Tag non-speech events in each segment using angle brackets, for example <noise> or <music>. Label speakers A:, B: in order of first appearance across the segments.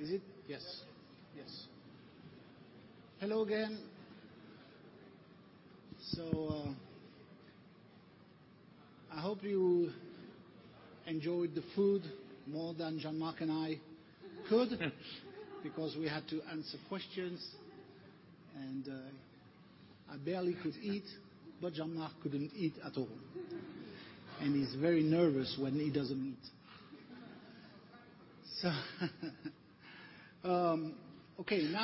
A: Is it? Yes. Hello again. I hope you enjoyed the food more than Jean-Marc and I could, because we had to answer questions, and I barely could eat, but Jean-Marc couldn't eat at all. He's very nervous when he doesn't eat. Okay. We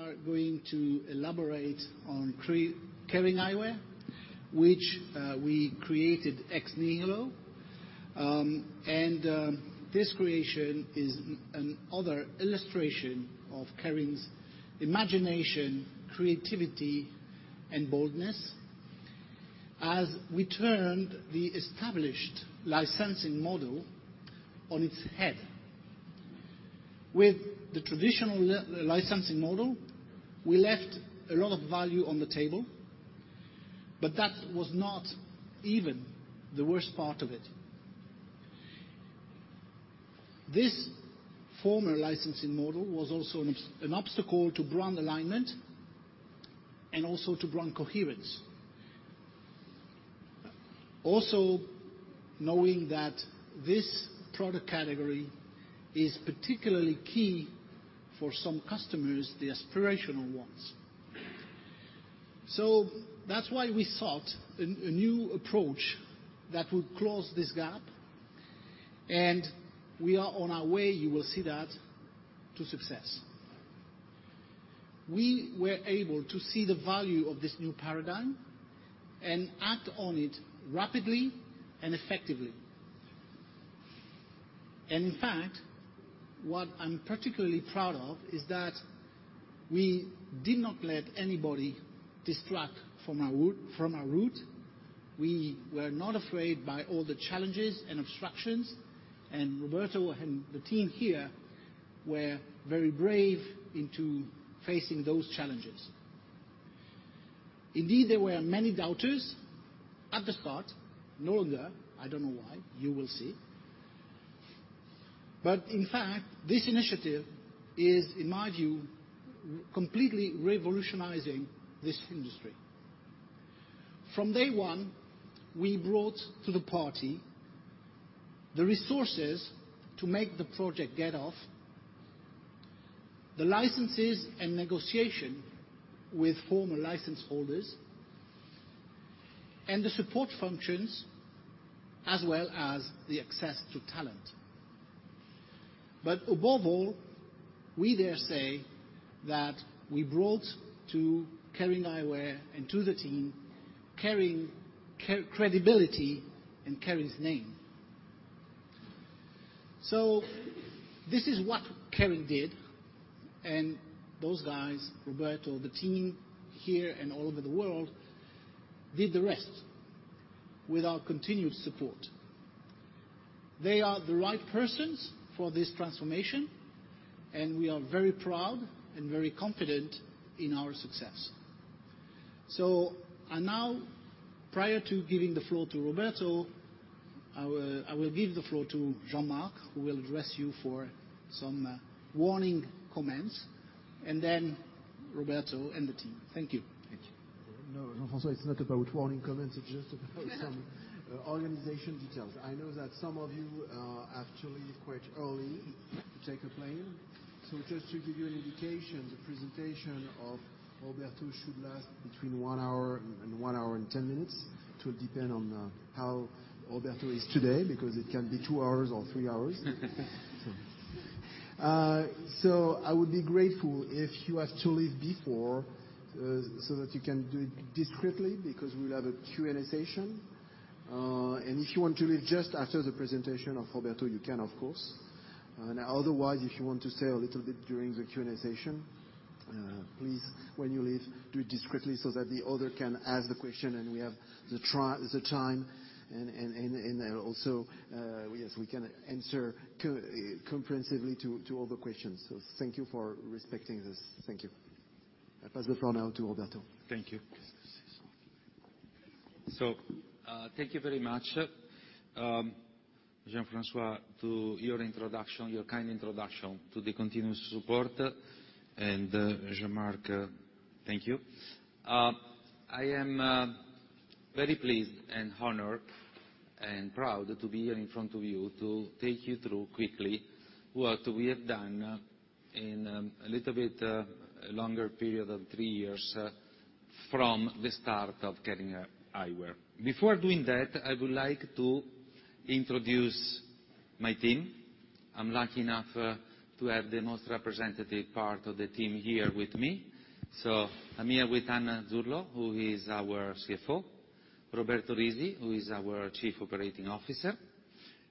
A: are going to elaborate on Kering Eyewear, which we created ex nihilo. This creation is another illustration of Kering's imagination, creativity, and boldness, as we turned the established licensing model on its head. With the traditional licensing model, we left a lot of value on the table, but that was not even the worst part of it. This former licensing model was also an obstacle to brand alignment and also to brand coherence. Knowing that this product category is particularly key for some customers, the aspirational ones. That's why we sought a new approach that would close this gap, and we are on our way, you will see that, to success. We were able to see the value of this new paradigm and act on it rapidly and effectively. In fact, what I'm particularly proud of is that we did not let anybody distract from our root. We were not afraid by all the challenges and obstructions. Roberto and the team here were very brave into facing those challenges. Indeed, there were many doubters at the start. No longer. I don't know why. You will see. In fact, this initiative is, in my view, completely revolutionizing this industry. From day one, we brought to the party the resources to make the project get off, the licenses and negotiation with former license holders, and the support functions, as well as the access to talent. Above all, we dare say that we brought to Kering Eyewear and to the team Kering credibility and Kering's name. This is what Kering did, and those guys, Roberto, the team here and all over the world, did the rest with our continued support. They are the right persons for this transformation, and we are very proud and very confident in our success. Now, prior to giving the floor to Roberto, I will give the floor to Jean-Marc, who will address you for some warning comments, then Roberto and the team. Thank you.
B: Thank you. No, Jean-François, it's not about warning comments. It's just about some organization details. I know that some of you have to leave quite early to take a plane. Just to give you an indication, the presentation of Roberto should last between one hour and one hour and 10 minutes. It will depend on how Roberto is today, because it can be two hours or three hours. I would be grateful if you have to leave before, so that you can do it discreetly, because we'll have a Q&A session. If you want to leave just after the presentation of Roberto, you can, of course. Otherwise, if you want to stay a little bit during the Q&A session, please, when you leave, do it discreetly so that the other can ask the question and we have the time, and also, yes, we can answer comprehensively to all the questions. Thank you for respecting this. Thank you. I pass the floor now to Roberto.
C: Thank you.
B: Yes, this is on.
C: Thank you very much, Jean-François, to your kind introduction, to the continuous support. Jean-Marc, thank you. I am very pleased and honored and proud to be here in front of you to take you through quickly what we have done in a little bit longer period of 3 years from the start of Kering Eyewear. Before doing that, I would like to introduce my team. I'm lucky enough to have the most representative part of the team here with me. I'm here with Anna Zurlo, who is our CFO, Roberto Risi, who is our Chief Operating Officer.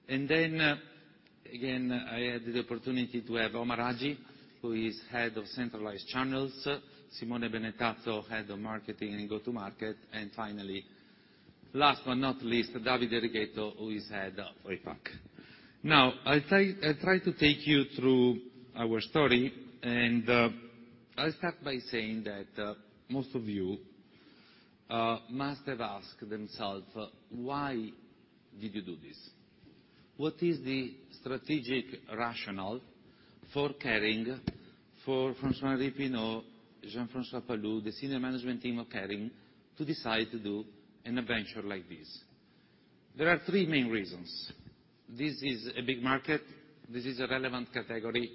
C: Again, I had the opportunity to have Omar Hagi, who is Head of Centralized Channels, Simone Benetazzo, Head of Marketing and Go-to Market, and finally, last but not least, Davide Righetto, who is Head of APAC. Now, I'll try to take you through our story, and I'll start by saying that most of you Must have asked themselves, why did you do this? What is the strategic rationale for Kering, for François-Henri Pinault, Jean-François Palus, the senior management team of Kering, to decide to do an adventure like this? There are three main reasons. This is a big market, this is a relevant category,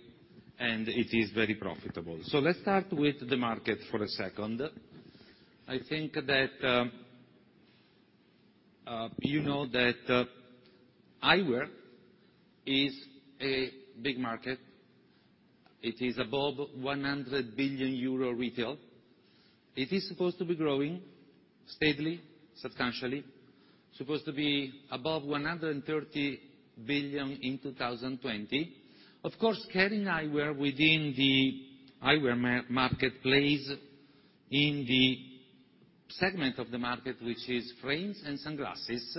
C: and it is very profitable. Let's start with the market for a second. I think that you know that eyewear is a big market. It is above 100 billion euro retail. It is supposed to be growing steadily, substantially, supposed to be above 130 billion in 2020. Of course, Kering Eyewear, within the eyewear marketplace, in the segment of the market, which is frames and sunglasses,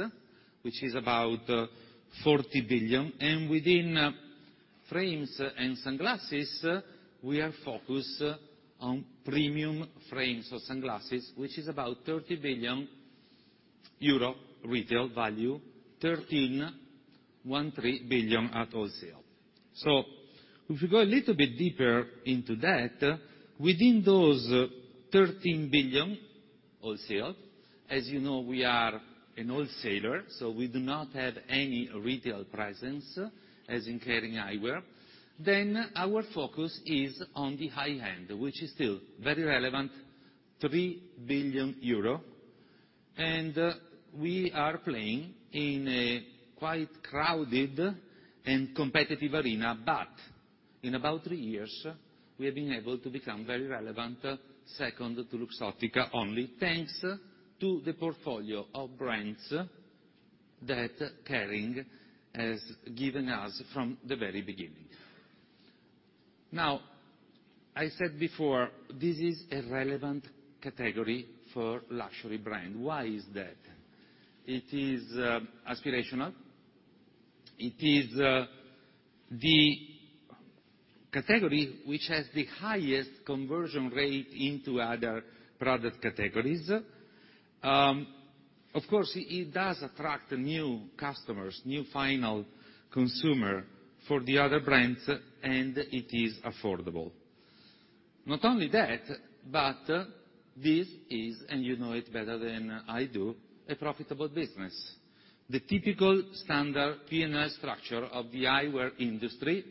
C: which is about 40 billion. Within frames and sunglasses, we are focused on premium frames or sunglasses, which is about 30 billion euro retail value, 13 billion at wholesale. If we go a little bit deeper into that, within those 13 billion wholesale, as you know, we are an wholesaler, so we do not have any retail presence as in Kering Eyewear. Our focus is on the high-end, which is still very relevant, 3 billion euro, and we are playing in a quite crowded and competitive arena. In about three years, we have been able to become very relevant, second to Luxottica only thanks to the portfolio of brands that Kering has given us from the very beginning. Now, I said before, this is a relevant category for luxury brand. Why is that? It is aspirational. It is the category which has the highest conversion rate into other product categories. Of course, it does attract new customers, new final consumer for the other brands, and it is affordable. Not only that, this is, and you know it better than I do, a profitable business. The typical standard P&L structure of the eyewear industry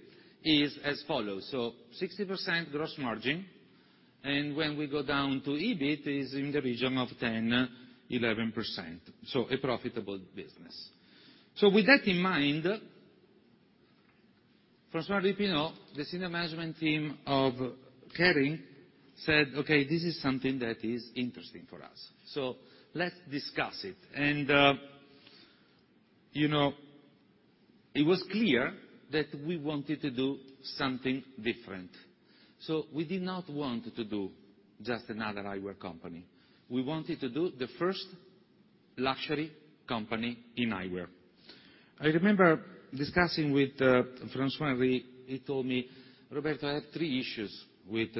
C: is as follows, 60% gross margin, and when we go down to EBIT, is in the region of 10%, 11%. A profitable business. With that in mind, François-Henri Pinault, the senior management team of Kering said, "Okay, this is something that is interesting for us, so let's discuss it." It was clear that we wanted to do something different. We did not want to do just another eyewear company. We wanted to do the first luxury company in eyewear. I remember discussing with François-Henri, he told me, "Roberto, I have three issues with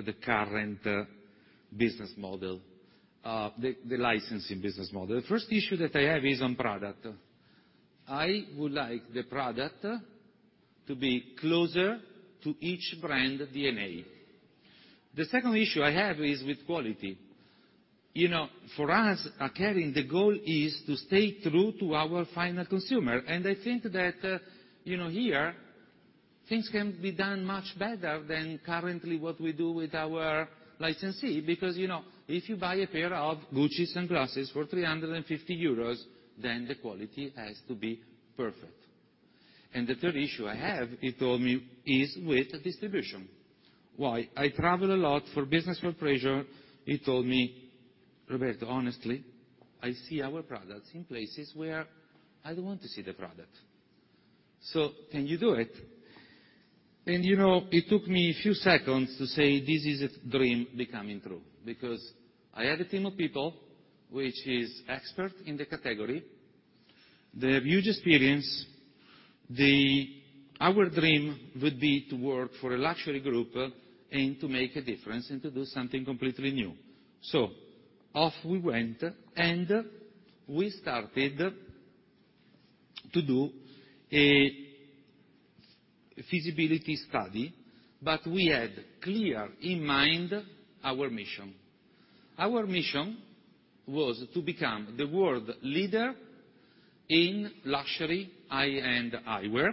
C: the licensing business model. The first issue that I have is on product. I would like the product to be closer to each brand DNA. The second issue I have is with quality. For us, at Kering, the goal is to stay true to our final consumer, and I think that here things can be done much better than currently what we do with our licensee, because if you buy a pair of Gucci sunglasses for 350 euros, then the quality has to be perfect. The third issue I have," he told me, "is with distribution. While I travel a lot for business, for pleasure," he told me, "Roberto, honestly, I see our products in places where I don't want to see the product. Can you do it?" It took me a few seconds to say, this is a dream becoming true, because I had a team of people which is expert in the category. They have huge experience. Our dream would be to work for a luxury group and to make a difference and to do something completely new. Off we went and we started to do a feasibility study, but we had clear in mind our mission. Our mission was to become the world leader in luxury high-end eyewear,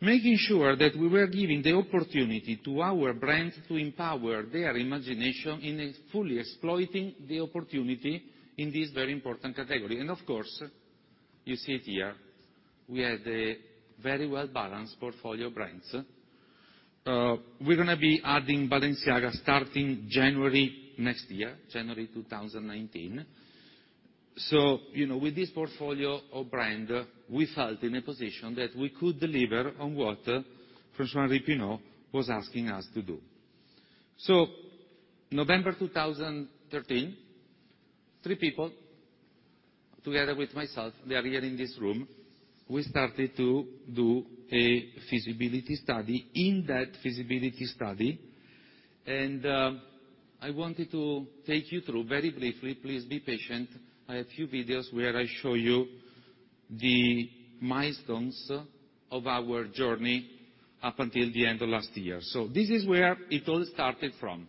C: making sure that we were giving the opportunity to our brands to empower their imagination in fully exploiting the opportunity in this very important category. Of course, you see it here, we had a very well-balanced portfolio of brands. We're going to be adding Balenciaga starting January next year, January 2019. With this portfolio of brand, we felt in a position that we could deliver on what François-Henri Pinault was asking us to do. November 2013, three people together with myself, they are here in this room, we started to do a feasibility study. In that feasibility study, I wanted to take you through very briefly, please be patient. I have few videos where I show you the milestones of our journey up until the end of last year. This is where it all started from.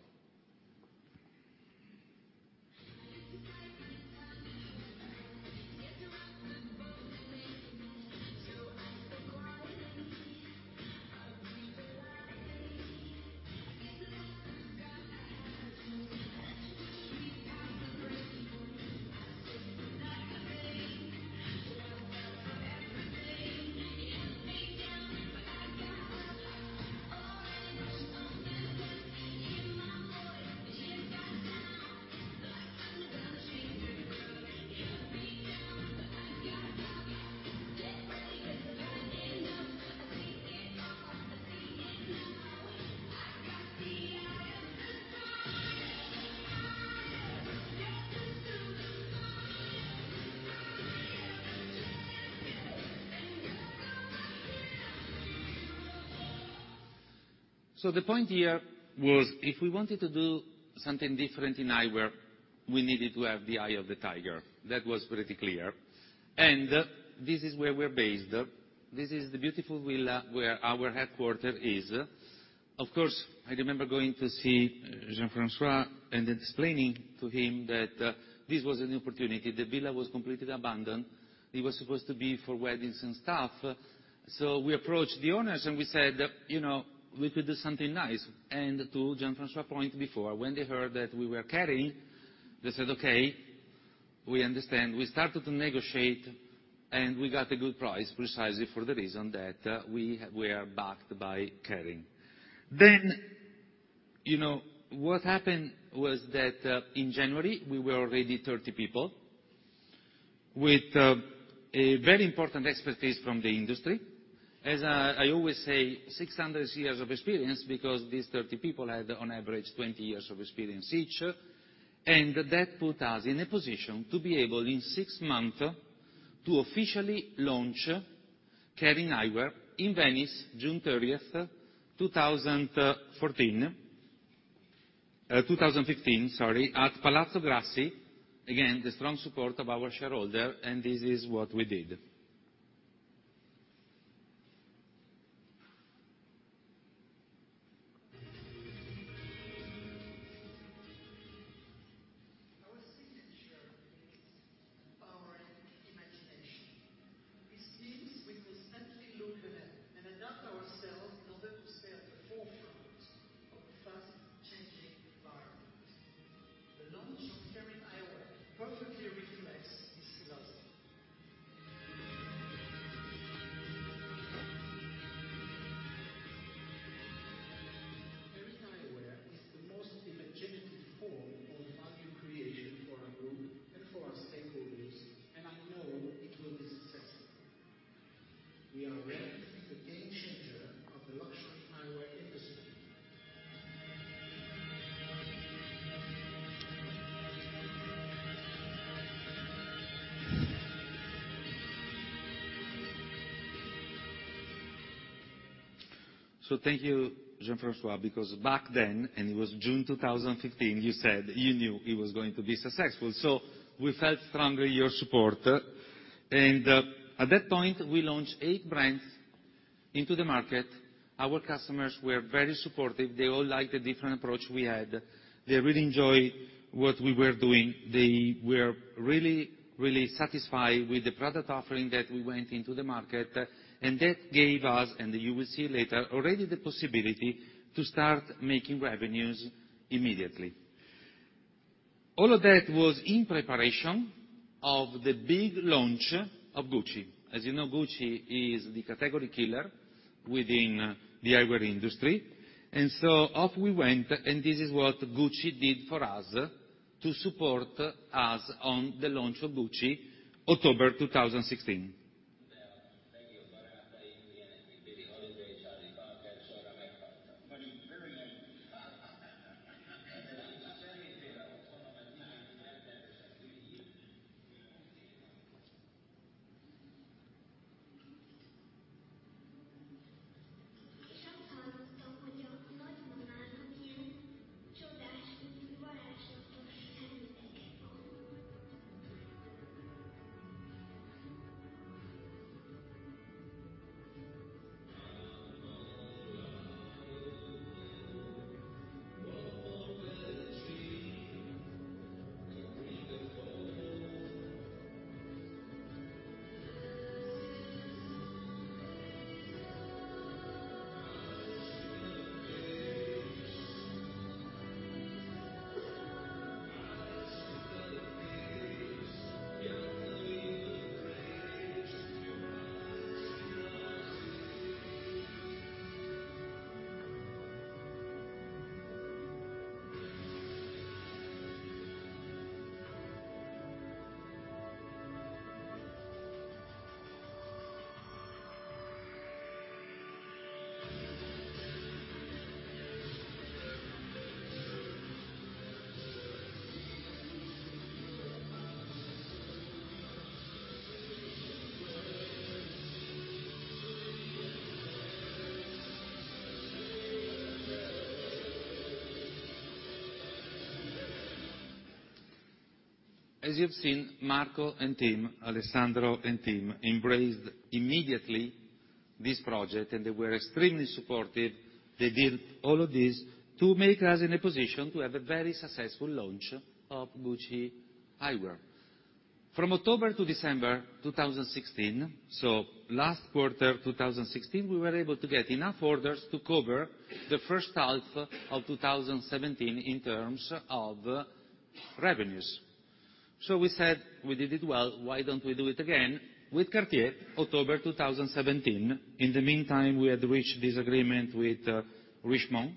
C: The point here was, if we wanted to do something different in eyewear, we needed to have the eye of the tiger. That was pretty clear. This is where we're based. This is the beautiful villa where our headquarter is. Of course, I remember going to see Jean-François and explaining to him that this was an opportunity. The villa was completely abandoned. It was supposed to be for weddings and stuff. We approached the owners, and we said, "We could do something nice." To Jean-François' point before, when they heard that we were Kering, they said, "Okay, we understand." We started to negotiate, and we got a good price precisely for the reason that we are backed by Kering. What happened was that, in January, we were already 30 people with a very important expertise from the industry. As I always say, 600 years of experience because these 30 people had, on average, 20 years of experience each. That put us in a position to be able, in six months, to officially launch Kering Eyewear in Venice, June 30th, 2014 2015, sorry, at Palazzo Grassi. Again, the strong support of our shareholder, and this is what we did.
A: Our signature is our imagination. This means we constantly look ahead and adapt ourselves in order to stay at the forefront of a fast-changing environment. The launch of Kering Eyewear perfectly reflects this philosophy. Kering Eyewear is the most imaginative form of value creation for our group and for our stakeholders, and I know it will be successful. We are ready to be the game changer of the luxury eyewear industry.
C: Thank you, Jean-François, because back then, and it was June 2015, you said you knew it was going to be successful. We felt strongly your support. At that point, we launched eight brands into the market. Our customers were very supportive. They all liked the different approach we had. They really enjoyed what we were doing. They were really satisfied with the product offering that we went into the market, and that gave us, and you will see later, already the possibility to start making revenues immediately. All of that was in preparation of the big launch of Gucci. As you know, Gucci is the category killer within the eyewear industry. Off we went, and this is what Gucci did for us to support us on the launch of Gucci, October 2016. As you've seen, Marco and team, Alessandro and team embraced immediately this project, and they were extremely supportive. They did all of this to make us in a position to have a very successful launch of Gucci Eyewear. From October to December 2016, last quarter of 2016, we were able to get enough orders to cover the first half of 2017 in terms of revenues. We said, "We did it well. Why don't we do it again with Cartier October 2017?" In the meantime, we had reached this agreement with Richemont.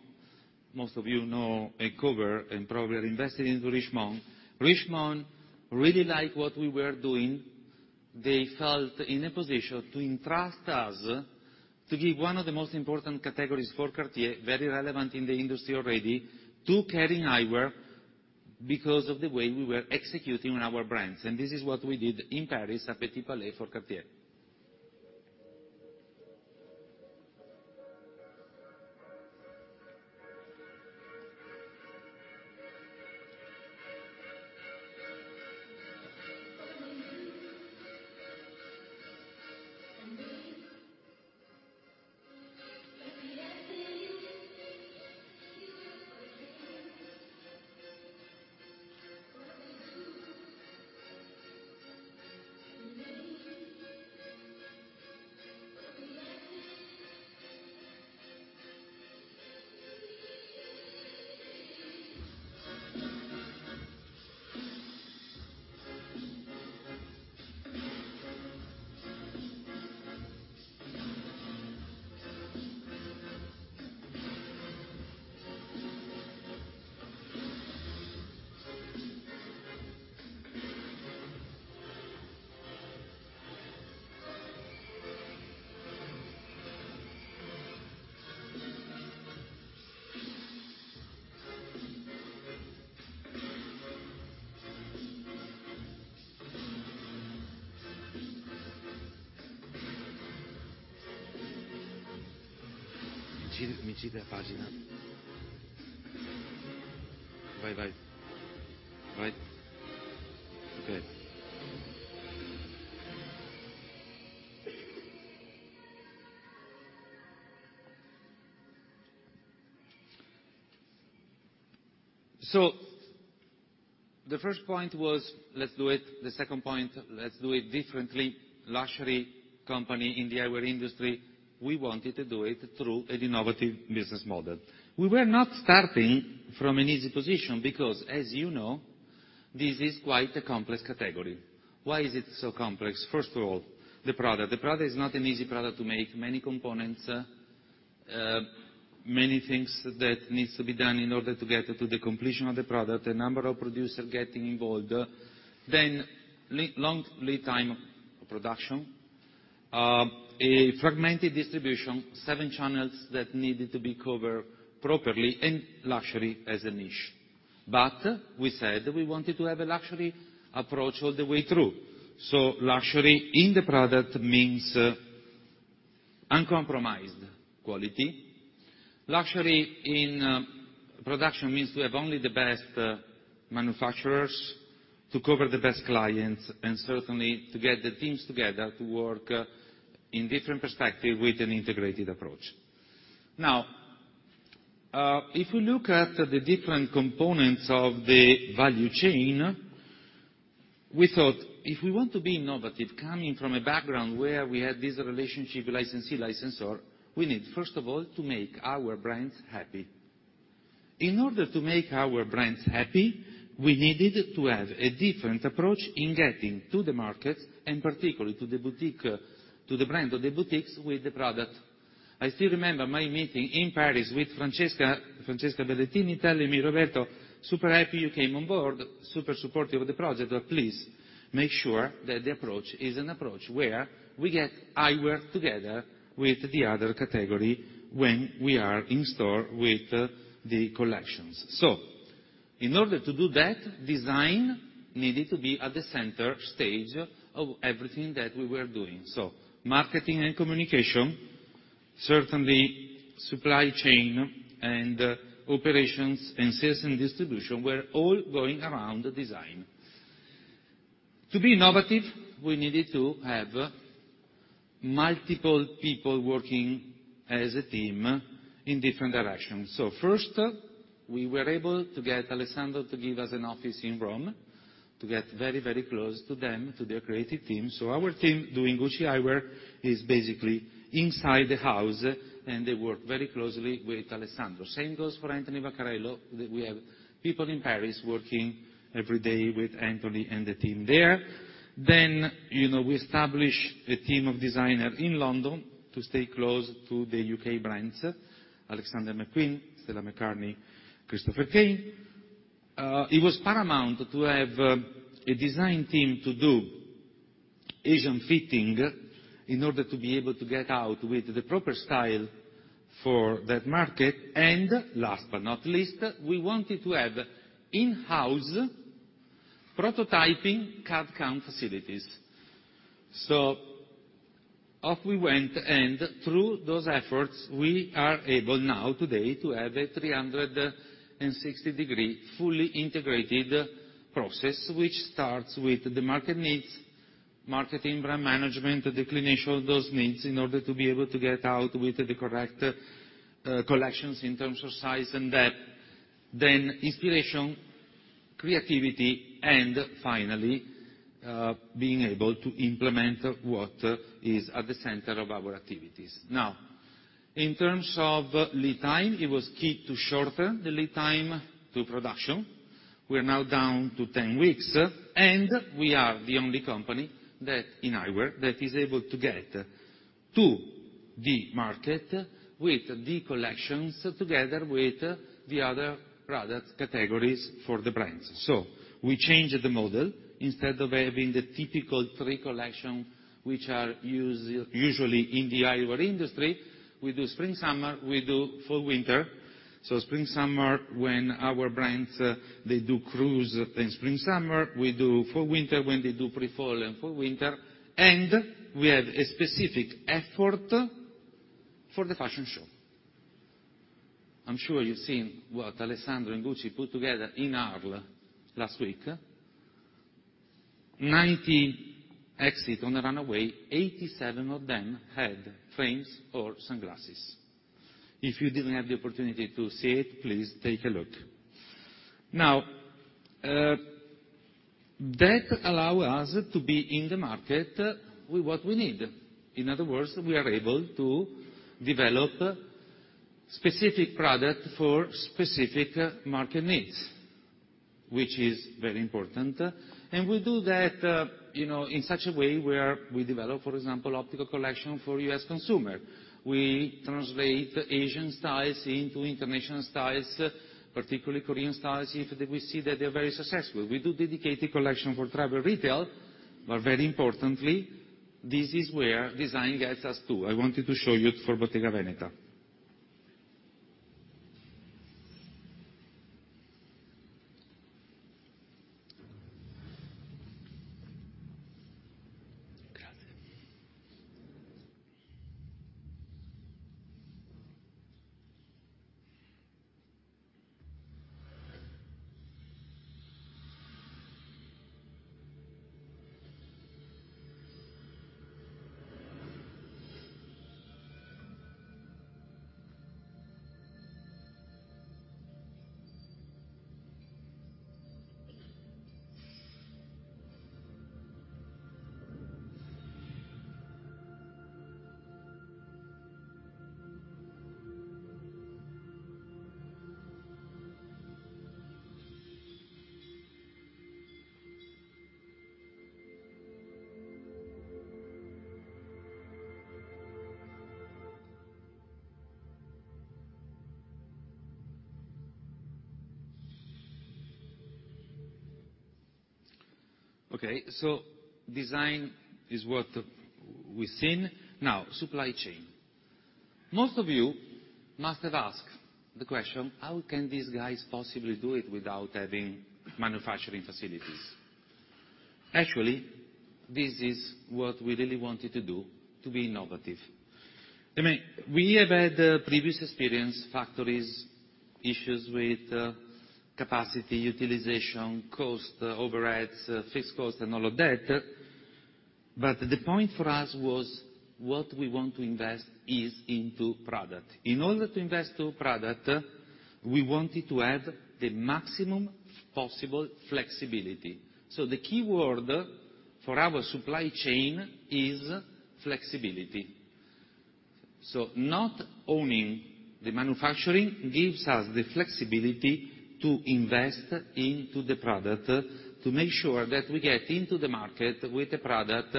C: Most of you know and cover and probably are invested into Richemont. Richemont really liked what we were doing. They felt in a position to entrust us to give one of the most important categories for Cartier, very relevant in the industry already, to Kering Eyewear because of the way we were executing on our brands. This is what we did in Paris at Petit Palais for Cartier. The first point was, let's do it. The second point, let's do it differently. Luxury company in the eyewear industry, we wanted to do it through an innovative business model. We were not starting from an easy position because, as you know, this is quite a complex category. Why is it so complex? First of all, the product. The product is not an easy product to make. Many components, many things that needs to be done in order to get to the completion of the product. A number of producer getting involved. Long lead time of production, a fragmented distribution, seven channels that needed to be covered properly, and luxury as a niche. We said we wanted to have a luxury approach all the way through. Luxury in the product means uncompromised quality. Luxury in production means to have only the best manufacturers to cover the best clients, certainly to get the teams together to work in different perspective with an integrated approach. If we look at the different components of the value chain, we thought if we want to be innovative coming from a background where we had this relationship, licensee-licensor, we need, first of all, to make our brands happy. In order to make our brands happy, we needed to have a different approach in getting to the market and particularly to the brand of the boutiques with the product. I still remember my meeting in Paris with Francesca Bellettini telling me, "Roberto, super happy you came on board, super supportive of the project, but please make sure that the approach is an approach where we get eyewear together with the other category when we are in store with the collections." In order to do that, design needed to be at the center stage of everything that we were doing. Marketing and communication, certainly supply chain and operations and sales and distribution were all going around the design. To be innovative, we needed to have multiple people working as a team in different directions. First, we were able to get Alessandro to give us an office in Rome to get very close to them, to their creative team. Our team doing Gucci Eyewear is basically inside the house, and they work very closely with Alessandro. Same goes for Anthony Vaccarello. We have people in Paris working every day with Anthony and the team there. We established a team of designer in London to stay close to the U.K. brands, Alexander McQueen, Stella McCartney, Christopher Kane. It was paramount to have a design team to do Asian fitting in order to be able to get out with the proper style for that market. Last but not least, we wanted to have in-house prototyping CAD/CAM facilities. Off we went, through those efforts, we are able now today to have a 360-degree, fully integrated process, which starts with the market needs, marketing brand management, the declination of those needs in order to be able to get out with the correct collections in terms of size and depth, inspiration, creativity, and finally, being able to implement what is at the center of our activities. In terms of lead time, it was key to shorten the lead time to production. We're now down to 10 weeks, we are the only company that, in eyewear, that is able to get to the market with the collections together with the other product categories for the brands. We changed the model. Instead of having the typical three collection which are usually in the eyewear industry, we do spring/summer, we do fall/winter. spring/summer, when our brands, they do cruise in spring/summer. We do fall/winter when they do pre-fall and fall/winter. We have a specific effort for the fashion show. I'm sure you've seen what Alessandro and Gucci put together in Arles last week. 90 exit on the runway, 87 of them had frames or sunglasses. If you didn't have the opportunity to see it, please take a look. That allow us to be in the market with what we need. In other words, we are able to develop specific product for specific market needs, which is very important. We do that in such a way where we develop, for example, optical collection for U.S. consumer. We translate Asian styles into international styles, particularly Korean styles, if we see that they're very successful. We do dedicated collection for travel retail, very importantly, this is where design gets us to. I wanted to show you for Bottega Veneta. Design is what we've seen. Supply chain. Most of you must have asked the question: How can these guys possibly do it without having manufacturing facilities? This is what we really wanted to do to be innovative. We have had previous experience, factories, issues with capacity utilization, cost, overheads, fixed costs and all of that. The point for us was, what we want to invest is into product. In order to invest to product, we wanted to have the maximum possible flexibility. The key word for our supply chain is flexibility. Not owning the manufacturing gives us the flexibility to invest into the product to make sure that we get into the market with a product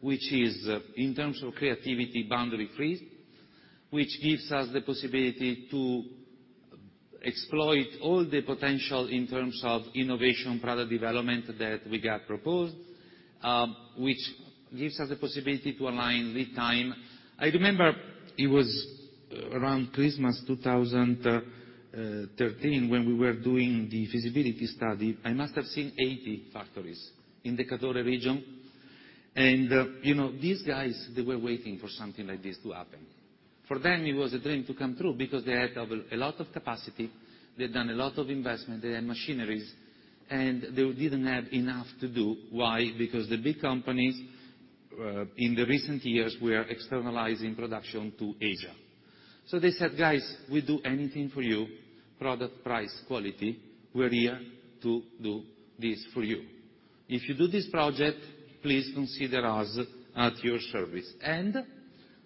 C: which is, in terms of creativity, boundary-free, which gives us the possibility to exploit all the potential in terms of innovation, product development that we get proposed, which gives us the possibility to align lead time. I remember it was around Christmas 2013 when we were doing the feasibility study. I must have seen 80 factories in the Cadore region. These guys, they were waiting for something like this to happen. For them, it was a dream to come true because they had a lot of capacity, they'd done a lot of investment, they had machineries, and they didn't have enough to do. Why? Because the big companies in the recent years were externalizing production to Asia. They said, "Guys, we do anything for you, product, price, quality. We're here to do this for you. If you do this project, please consider us at your service."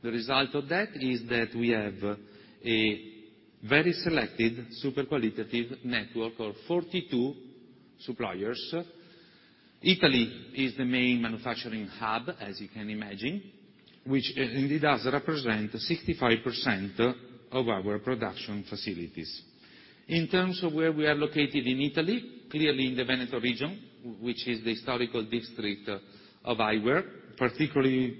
C: The result of that is that we have a very selected, super qualitative network of 42 suppliers. Italy is the main manufacturing hub, as you can imagine. Which indeed does represent 65% of our production facilities. In terms of where we are located in Italy, clearly in the Veneto region, which is the historical district of eyewear, particularly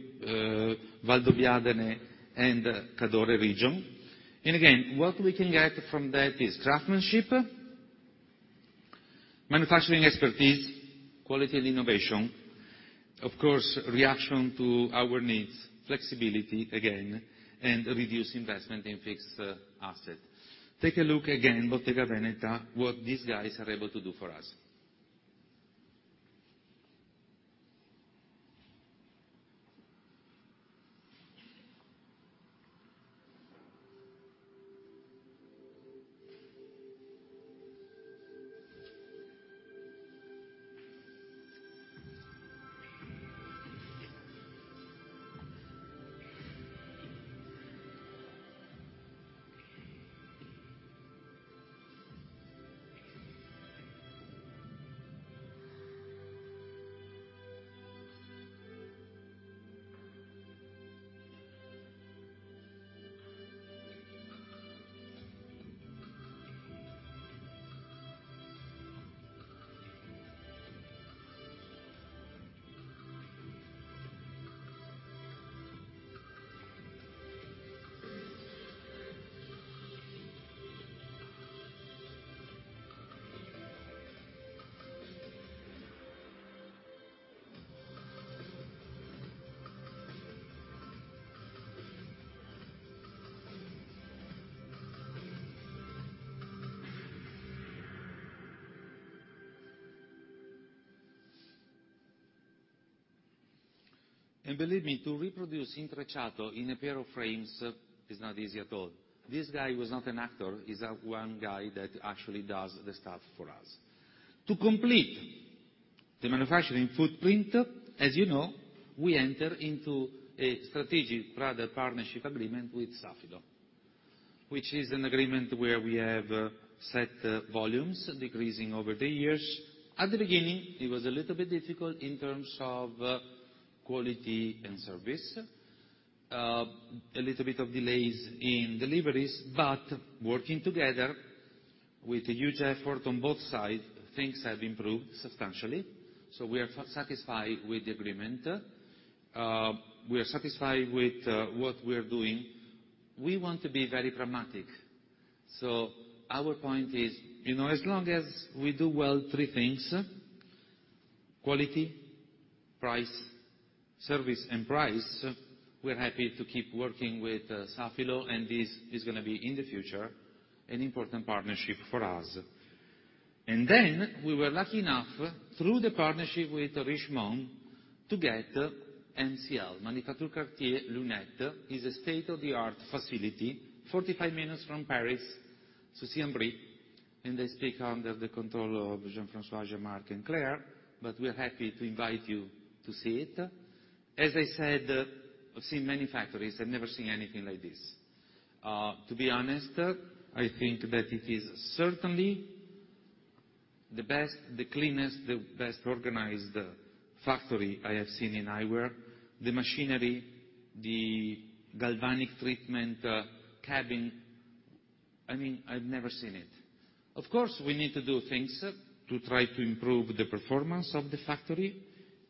C: Valdobbiadene and Cadore region. Again, what we can get from that is craftmanship, manufacturing expertise, quality and innovation, of course, reaction to our needs, flexibility again, and reduced investment in fixed asset. Take a look again, Bottega Veneta, what these guys are able to do for us. Believe me, to reproduce intrecciato in a pair of frames is not easy at all. This guy was not an actor, he's one guy that actually does the stuff for us. To complete the manufacturing footprint, as you know, we enter into a strategic product partnership agreement with Safilo, which is an agreement where we have set volumes decreasing over the years. At the beginning, it was a little bit difficult in terms of quality and service. A little bit of delays in deliveries, but working together with a huge effort on both sides, things have improved substantially, so we are satisfied with the agreement. We are satisfied with what we're doing. We want to be very dramatic. Our point is, as long as we do well, three things, quality, price, service, and price, we're happy to keep working with Safilo, and this is going to be, in the future, an important partnership for us. We were lucky enough, through the partnership with Richemont, to get MCL, Manufacture Cartier Lunettes, is a state-of-the-art facility, 45 minutes from Paris to Sucy-en-Brie, and they speak under the control of Jean-François, Jean-Mark, and Claire, but we're happy to invite you to see it. As I said, I've seen many factories. I've never seen anything like this. To be honest, I think that it is certainly the best, the cleanest, the best-organized factory I have seen in eyewear. The machinery, the galvanic treatment, cabin, I mean, I've never seen it. Of course, we need to do things to try to improve the performance of the factory,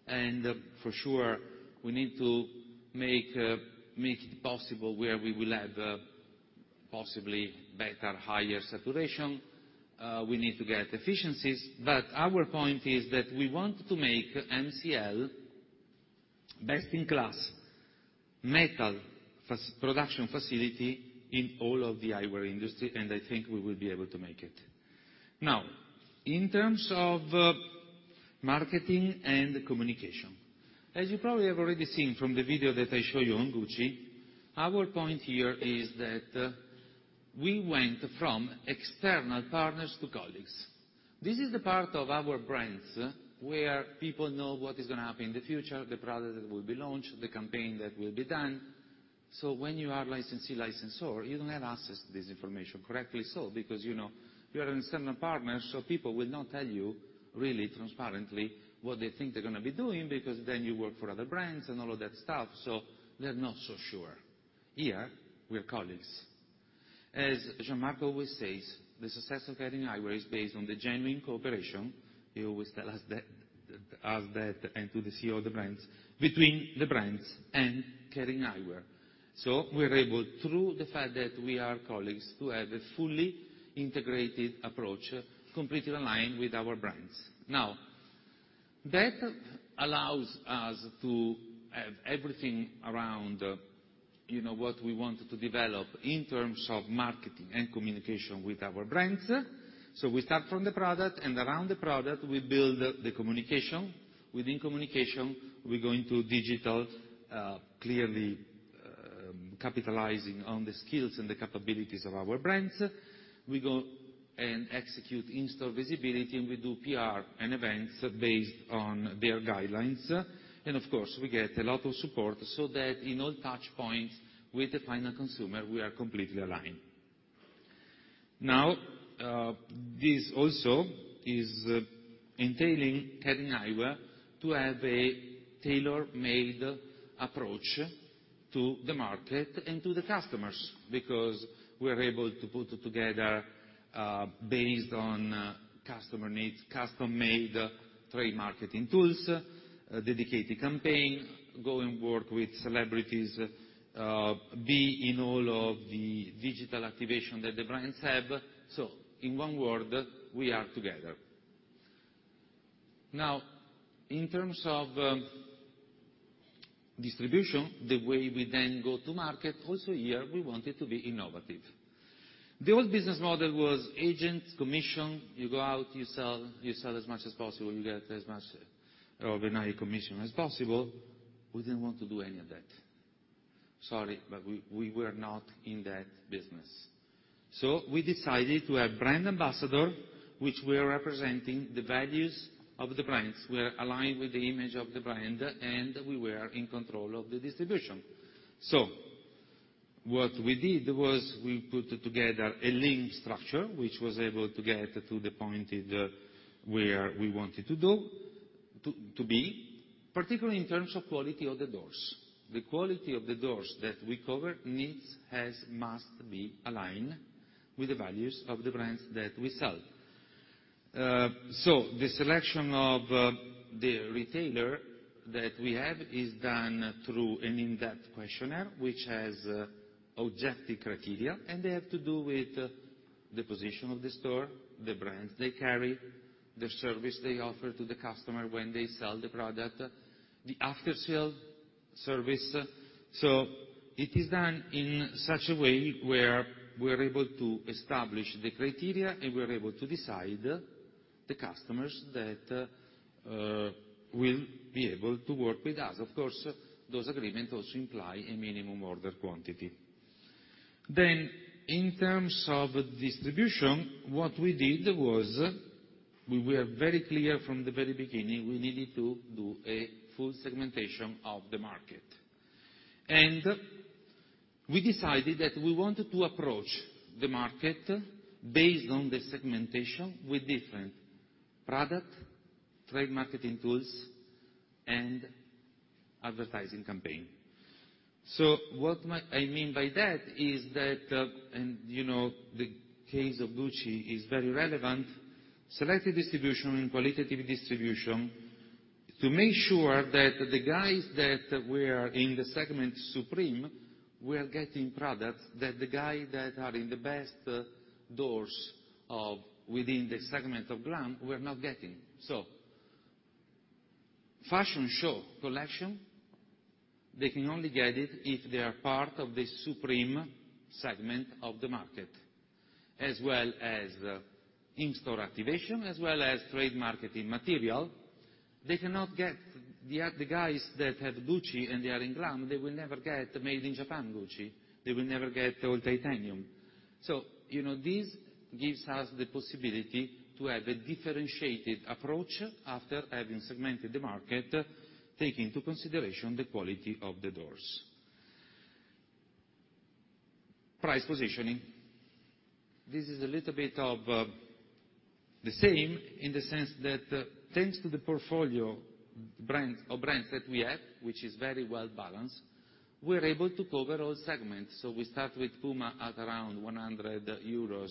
C: and for sure, we need to make it possible where we will have possibly better, higher saturation. We need to get efficiencies, but our point is that we want to make MCL best in class metal production facility in all of the eyewear industry, and I think we will be able to make it. Now, in terms of marketing and communication, as you probably have already seen from the video that I show you on Gucci, our point here is that we went from external partners to colleagues. This is the part of our brands where people know what is going to happen in the future, the product that will be launched, the campaign that will be done. When you are licensee, licensor, you don't have access to this information, correctly so, because you're an external partner, so people will not tell you really transparently what they think they're going to be doing because then you work for other brands and all of that stuff, so they're not so sure. Here, we're colleagues. As Jemarme always says, "The success of Kering Eyewear is based on the genuine cooperation," he always tell us that and to the CEO of the brands, "between the brands and Kering Eyewear." We're able, through the fact that we are colleagues, to have a fully integrated approach, completely aligned with our brands. Now, that allows us to have everything around what we want to develop in terms of marketing and communication with our brands. We start from the product, and around the product, we build the communication. Within communication, we go into digital, clearly, capitalizing on the skills and the capabilities of our brands. We go and execute in-store visibility, and we do PR and events based on their guidelines. Of course, we get a lot of support so that in all touchpoints with the final consumer, we are completely aligned. This also is entailing Kering Eyewear to have a tailor-made approach to the market and to the customers, because we're able to put together, based on customer needs, custom-made trade marketing tools, dedicated campaign, go and work with celebrities, be in all of the digital activation that the brands have. In one word, we are together. In terms of distribution, the way we then go to market, also here, we wanted to be innovative. The old business model was agent, commission, you go out, you sell as much as possible, you get as much of a high commission as possible. We didn't want to do any of that. Sorry, we were not in that business. We decided to have brand ambassador, which were representing the values of the brands, were aligned with the image of the brand, and we were in control of the distribution. What we did was we put together a lean structure, which was able to get to the point where we wanted to be, particularly in terms of quality of the doors. The quality of the doors that we cover needs, has, must be aligned with the values of the brands that we sell. The selection of the retailer that we have is done through an in-depth questionnaire, which has objective criteria, and they have to do with the position of the store, the brands they carry, the service they offer to the customer when they sell the product, the after-sale service. It is done in such a way where we're able to establish the criteria, and we're able to decide the customers that will be able to work with us. Of course, those agreements also imply a minimum order quantity. In terms of distribution, what we did was, we were very clear from the very beginning, we needed to do a full segmentation of the market. We decided that we wanted to approach the market based on the segmentation with different product, trade marketing tools, and advertising campaign. What I mean by that is that, and the case of Gucci is very relevant, selected distribution and qualitative distribution to make sure that the guys that were in the segment supreme were getting products that the guy that are in the best doors within the segment of glam were not getting. Fashion show collection, they can only get it if they are part of the supreme segment of the market, as well as the in-store activation, as well as trade marketing material. The guys that have Gucci and they are in glam, they will never get made-in-Japan Gucci. They will never get all titanium. This gives us the possibility to have a differentiated approach after having segmented the market, take into consideration the quality of the doors. Price positioning. This is a little bit of the same in the sense that thanks to the portfolio of brands that we have, which is very well-balanced, we are able to cover all segments. We start with Puma at around 100 euros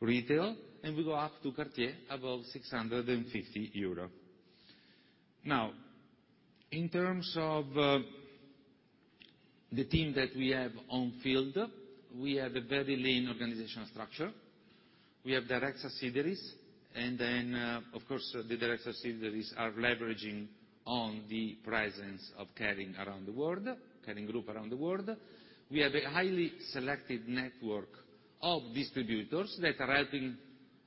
C: retail, and we go up to Cartier above 650 euros. In terms of the team that we have on field, we have a very lean organizational structure. We have direct subsidiaries, and then, of course, the direct subsidiaries are leveraging on the presence of Kering Group around the world. We have a highly selected network of distributors that are helping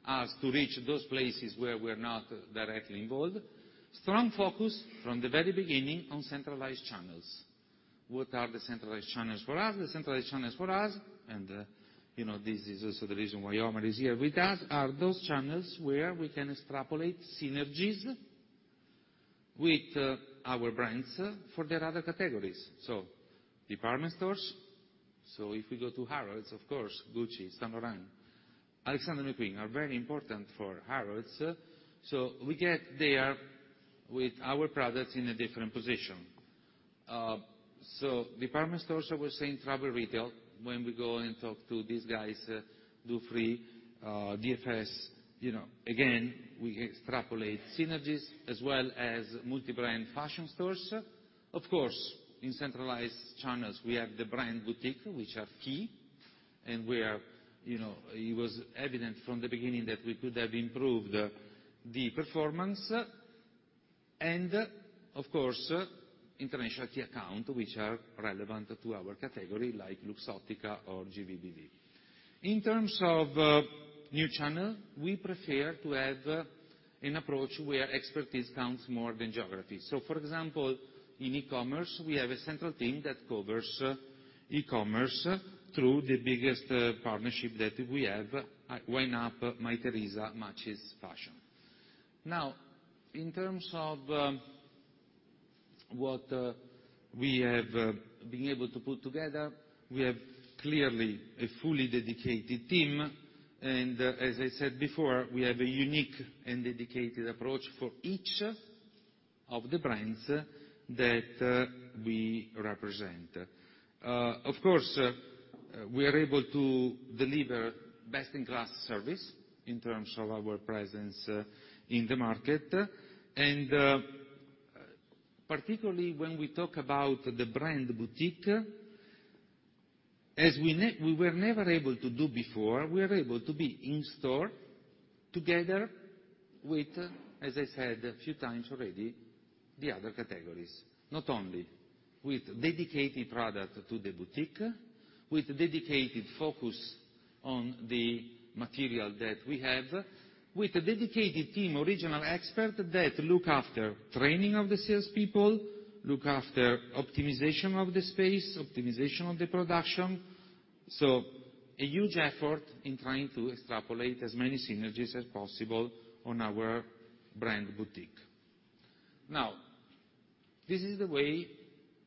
C: us to reach those places where we are not directly involved. We have a strong focus from the very beginning on centralized channels. What are the centralized channels for us? The centralized channels for us, this is also the reason why Omar is here with us, are those channels where we can extrapolate synergies with our brands for their other categories. Department stores. If we go to Harrods, of course, Gucci, Saint Laurent, Alexander McQueen are very important for Harrods. We get there with our products in a different position. Department stores, I was saying travel retail, when we go and talk to these guys, Dufry, DFS, again, we extrapolate synergies as well as multi-brand fashion stores. In centralized channels, we have the brand boutique, which are key and it was evident from the beginning that we could have improved the performance. International key account, which are relevant to our category, like Luxottica or GrandVision. In terms of new channel, we prefer to have an approach where expertise counts more than geography. For example, in e-commerce, we have a central team that covers e-commerce through the biggest partnership that we have at [Garbled], Mytheresa, MatchesFashion. What we have been able to put together, we have clearly a fully dedicated team, as I said before, we have a unique and dedicated approach for each of the brands that we represent. We are able to deliver best-in-class service in terms of our presence in the market, and particularly when we talk about the brand boutique, as we were never able to do before, we are able to be in store together with, as I said a few times already, the other categories. Not only with dedicated product to the boutique, with dedicated focus on the material that we have, with a dedicated team, original expert that look after training of the salespeople, look after optimization of the space, optimization of the production. A huge effort in trying to extrapolate as many synergies as possible on our brand boutique. This is the way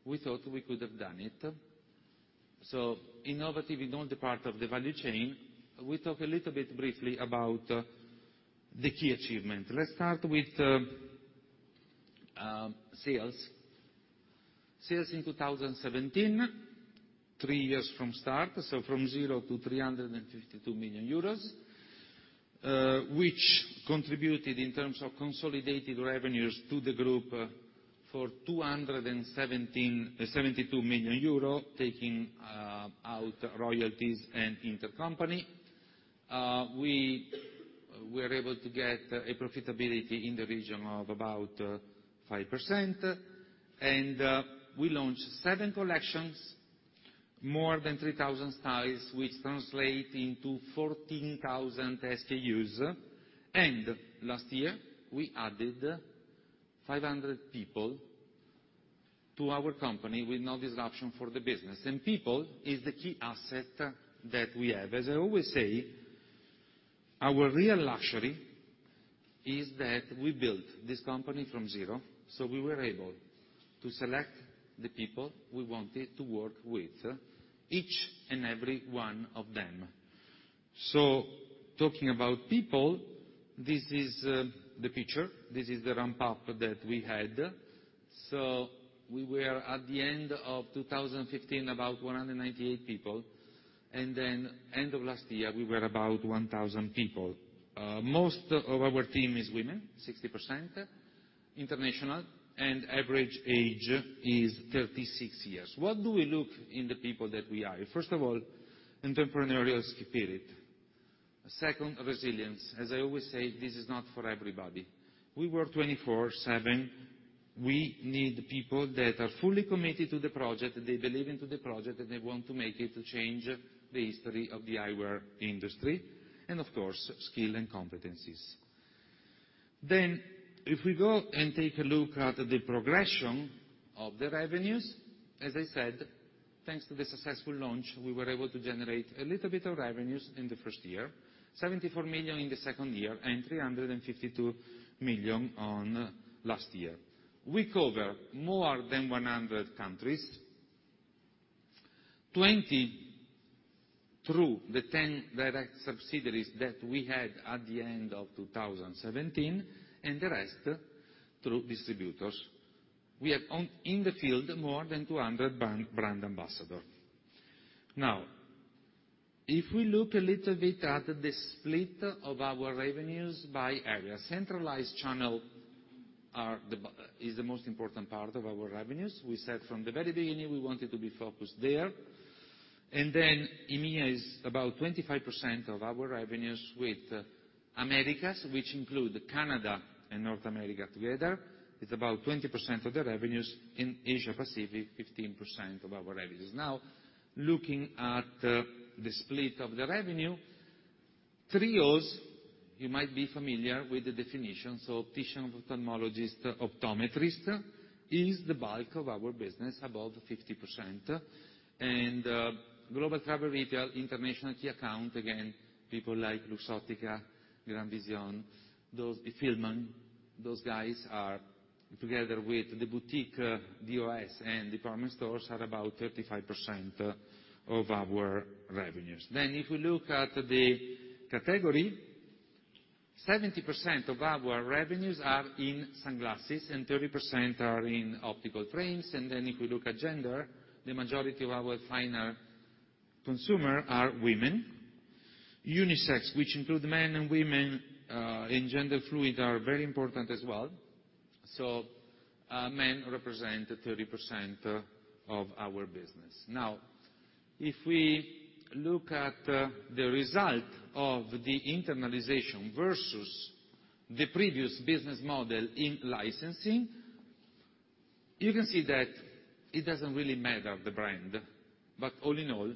C: we thought we could have done it. Innovative in all the part of the value chain. We talk a little bit briefly about the key achievement. Let's start with sales. Sales in 2017, three years from start, from 0 to 352 million euros, which contributed in terms of consolidated revenues to the group for 272 million euro, taking out royalties and intercompany. We were able to get a profitability in the region of about 5%. We launched seven collections, more than 3,000 styles, which translate into 14,000 SKUs. Last year, we added 500 people to our company with no disruption for the business. People is the key asset that we have. As I always say, our real luxury is that we built this company from zero. We were able to select the people we wanted to work with, each and every one of them. Talking about people, this is the picture. This is the ramp-up that we had. We were, at the end of 2015, about 198 people. End of last year, we were about 1,000 people. Most of our team is women, 60%, international, and average age is 36 years. What do we look in the people that we hire? First of all, entrepreneurial spirit. Second, resilience. As I always say, this is not for everybody. We work 24/7. We need people that are fully committed to the project, they believe into the project, and they want to make it to change the history of the eyewear industry. Of course, skill and competencies. If we go and take a look at the progression of the revenues, as I said, thanks to the successful launch, we were able to generate a little bit of revenues in the first year, 74 million in the second year, and 352 million on last year. We cover more than 100 countries, 20 through the 10 direct subsidiaries that we had at the end of 2017, and the rest through distributors. We have, in the field, more than 200 brand ambassador. If we look a little bit at the split of our revenues by area, centralized channel is the most important part of our revenues. We said from the very beginning, we wanted to be focused there. EMEA is about 25% of our revenues with Americas, which include Canada and North America together. It's about 20% of the revenues. In Asia Pacific, 15% of our revenues. Looking at the split of the revenue, 3Os, you might be familiar with the definition, so optician, ophthalmologist, optometrist, is the bulk of our business, above 50%. Global Travel Retail, International Key Account, again, people like Luxottica, GrandVision, Fielmann, those guys are, together with the boutique, DOS, and department stores, are about 35% of our revenues. If we look at the category, 70% of our revenues are in sunglasses, and 30% are in optical frames. If we look at gender, the majority of our final consumer are women. Unisex, which include men and women and gender-fluid, are very important as well. Men represent 30% of our business. If we look at the result of the internalization versus the previous business model in licensing, you can see that it doesn't really matter the brand, but all in all,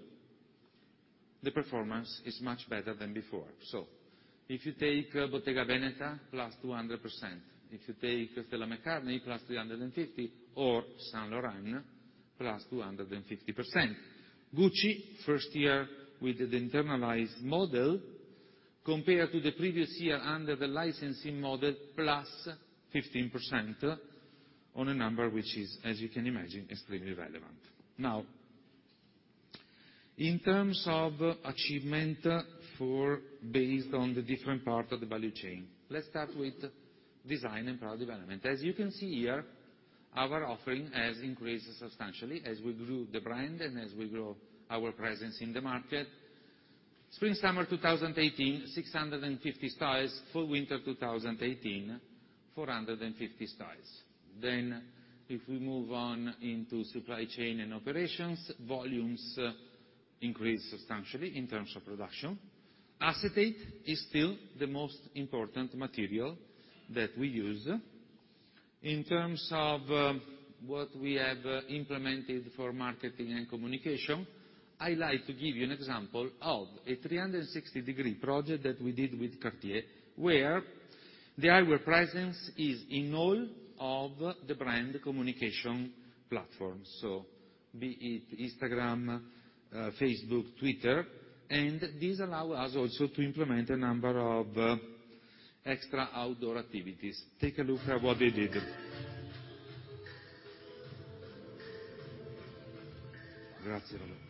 C: the performance is much better than before. If you take Bottega Veneta, +200%. If you take Stella McCartney, +350%, or Saint Laurent, +250%. Gucci, first year with the internalized model compared to the previous year under the licensing model, +15% on a number which is, as you can imagine, extremely relevant. In terms of achievement based on the different parts of the value chain, let's start with design and product development. As you can see here, our offering has increased substantially as we grew the brand and as we grow our presence in the market. Spring-summer 2018, 650 styles. Fall-winter 2018, 450 styles. If we move on into supply chain and operations, volumes increased substantially in terms of production. Acetate is still the most important material that we use. In terms of what we have implemented for marketing and communication, I like to give you an example of a 360-degree project that we did with Cartier, where the eyewear presence is in all of the brand communication platforms. Be it Instagram, Facebook, Twitter, and this allow us also to implement a number of extra outdoor activities. Take a look at what they did. Grazie, Romeo.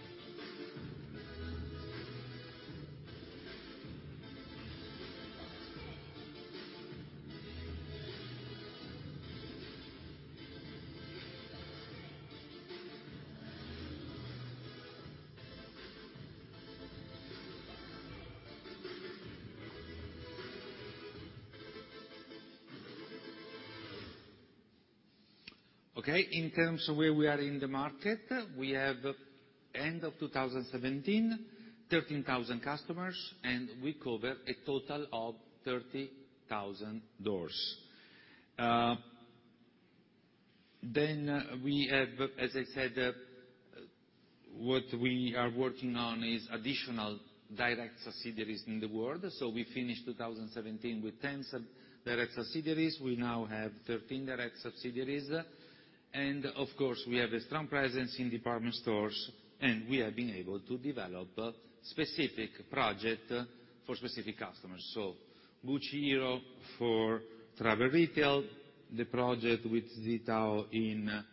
C: In terms of where we are in the market, we have end of 2017, 13,000 customers, and we cover a total of 30,000 doors. We have, as I said, what we are working on is additional direct subsidiaries in the world. We finished 2017 with 10 direct subsidiaries. We now have 13 direct subsidiaries, and of course, we have a strong presence in department stores, and we have been able to develop specific project for specific customers. Gucci Hero for travel retail, the project with Zhi Tao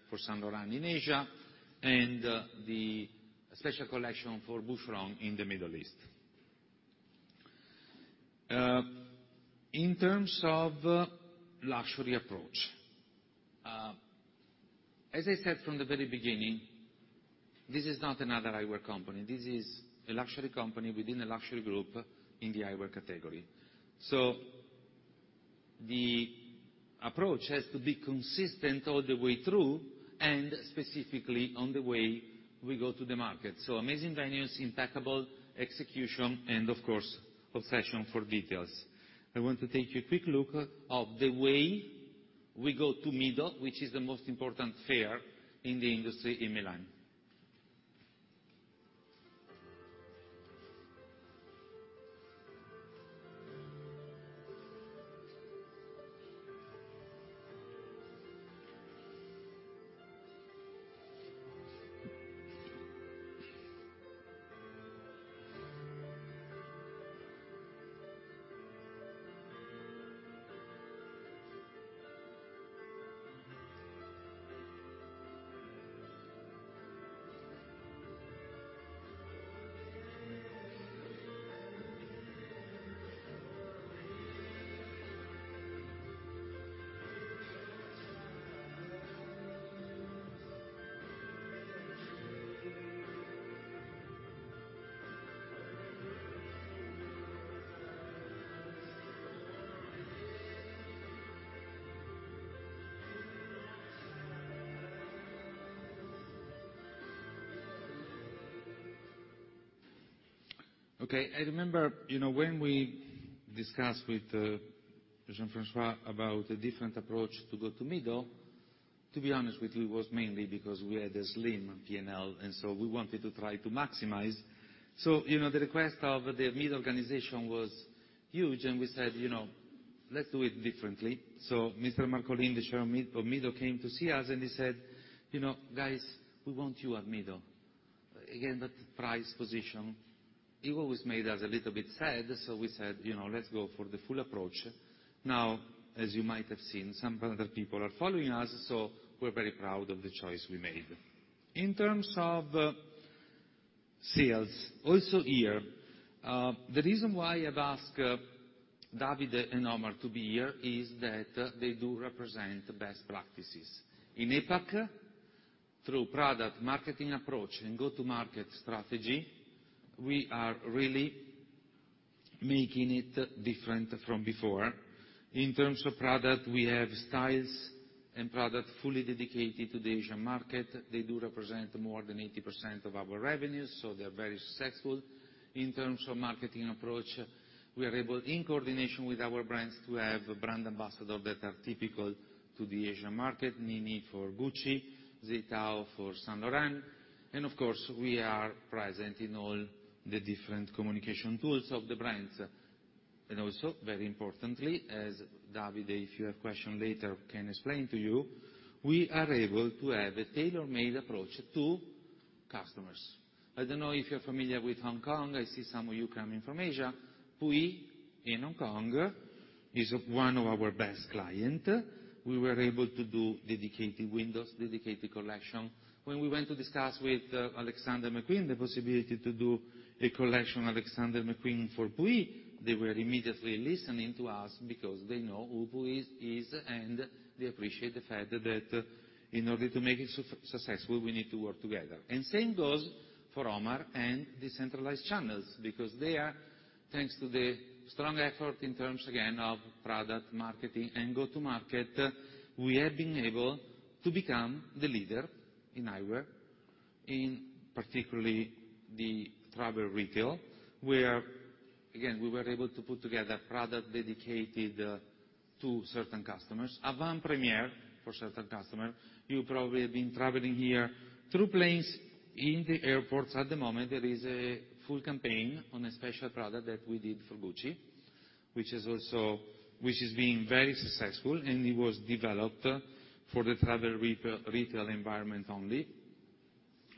C: for Saint Laurent in Asia, and the special collection for Boucheron in the Middle East. In terms of luxury approach, as I said from the very beginning, this is not another eyewear company. This is a luxury company within a luxury group in the eyewear category. The approach has to be consistent all the way through and specifically on the way we go to the market. Amazing venues, impeccable execution, and of course, obsession for details. I want to take a quick look of the way we go to MIDO, which is the most important fair in the industry in Milan. I remember when we discussed with Jean-François about a different approach to go to MIDO, to be honest with you, was mainly because we had a slim P&L, we wanted to try to maximize. The request of the MIDO organization was huge, and we said, "Let's do it differently." Mr. Marcolin, the chairman of MIDO, came to see us, and he said, "Guys, we want you at MIDO." Again, that price position, it always made us a little bit sad, we said, "Let's go for the full approach." As you might have seen, some brand new people are following us, we're very proud of the choice we made. In terms of sales, also here, the reason why I've asked Davide and Omar to be here is that they do represent best practices. In APAC, through product marketing approach and go-to-market strategy, we are really making it different from before. In terms of product, we have styles and product fully dedicated to the Asian market. They do represent more than 80% of our revenues, they're very successful. In terms of marketing approach, we are able, in coordination with our brands, to have brand ambassadors that are typical to the Asian market, Ni Ni for Gucci, Huang Zitao for Saint Laurent, of course, we are present in all the different communication tools of the brands. Very importantly, as Davide, if you have question later, can explain to you, we are able to have a tailor-made approach to customers. I don't know if you're familiar with Hong Kong. I see some of you coming from Asia. Puyi in Hong Kong is one of our best client. We were able to do dedicated windows, dedicated collection. When we went to discuss with Alexander McQueen the possibility to do a collection, Alexander McQueen for Puyi, they were immediately listening to us because they know who Puyi is, and they appreciate the fact that in order to make it successful, we need to work together. Same goes for Omar and decentralized channels because there, thanks to the strong effort in terms, again, of product marketing and go-to-market, we have been able to become the leader in eyewear in particularly the travel retail, where, again, we were able to put together product dedicated to certain customers. Avant-première for certain customer. You probably have been traveling here through planes in the airports. At the moment, there is a full campaign on a special product that we did for Gucci, which is being very successful, and it was developed for the travel retail environment only.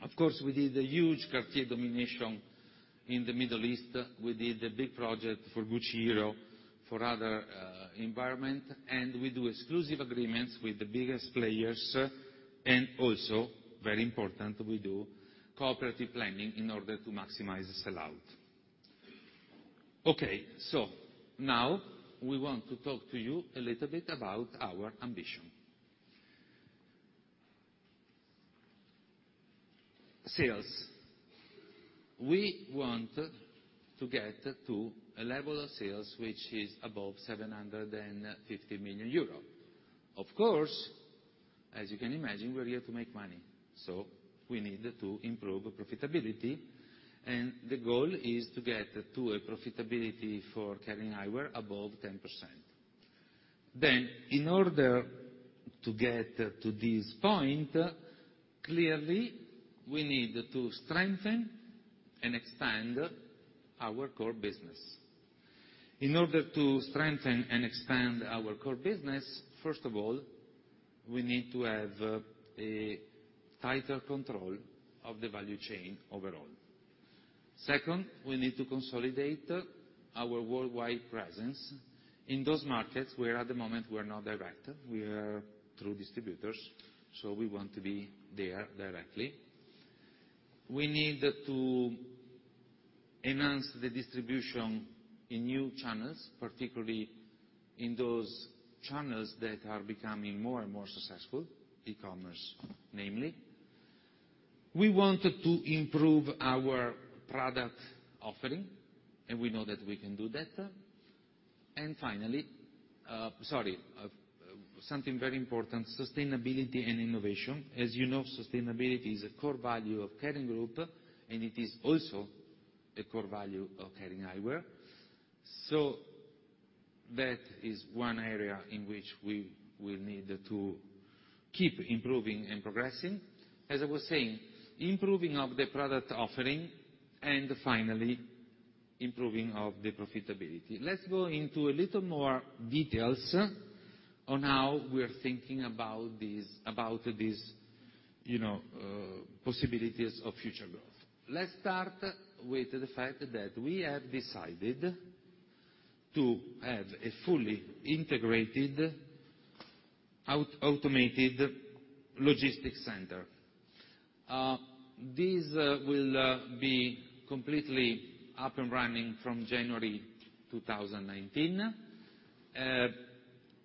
C: Of course, we did a huge Cartier domination in the Middle East. We did a big project for Gucci Hero, for other environment, we do exclusive agreements with the biggest players and also, very important, we do cooperative planning in order to maximize the sell-out. We want to talk to you a little bit about our ambition. Sales. We want to get to a level of sales which is above 750 million euro. Of course, as you can imagine, we're here to make money, so we need to improve profitability, and the goal is to get to a profitability for Kering Eyewear above 10%. In order to get to this point, clearly, we need to strengthen and expand our core business. In order to strengthen and expand our core business, first of all, we need to have a tighter control of the value chain overall. Second, we need to consolidate our worldwide presence in those markets where at the moment we're not direct, we are through distributors, we want to be there directly. We need to enhance the distribution in new channels, particularly in those channels that are becoming more and more successful, e-commerce, namely. We want to improve our product offering, we know that we can do that. Something very important, sustainability and innovation. As you know, sustainability is a core value of Kering Group, it is also a core value of Kering Eyewear. That is one area in which we will need to keep improving and progressing. As I was saying, improving of the product offering and finally improving of the profitability. Let's go into a little more details on how we're thinking about these possibilities of future growth. Let's start with the fact that we have decided to have a fully integrated, automated logistics center. This will be completely up and running from January 2019.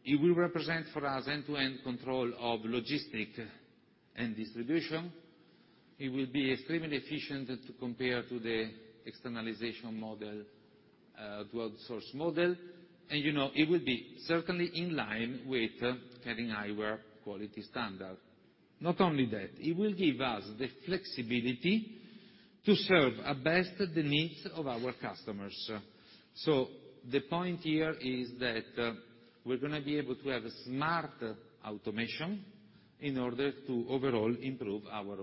C: It will represent for us end-to-end control of logistics and distribution. It will be extremely efficient to compare to the externalization model, to outsource model. It will be certainly in line with Kering Eyewear quality standards. Not only that, it will give us the flexibility to serve best the needs of our customers. The point here is that we're going to be able to have smart automation in order to overall improve our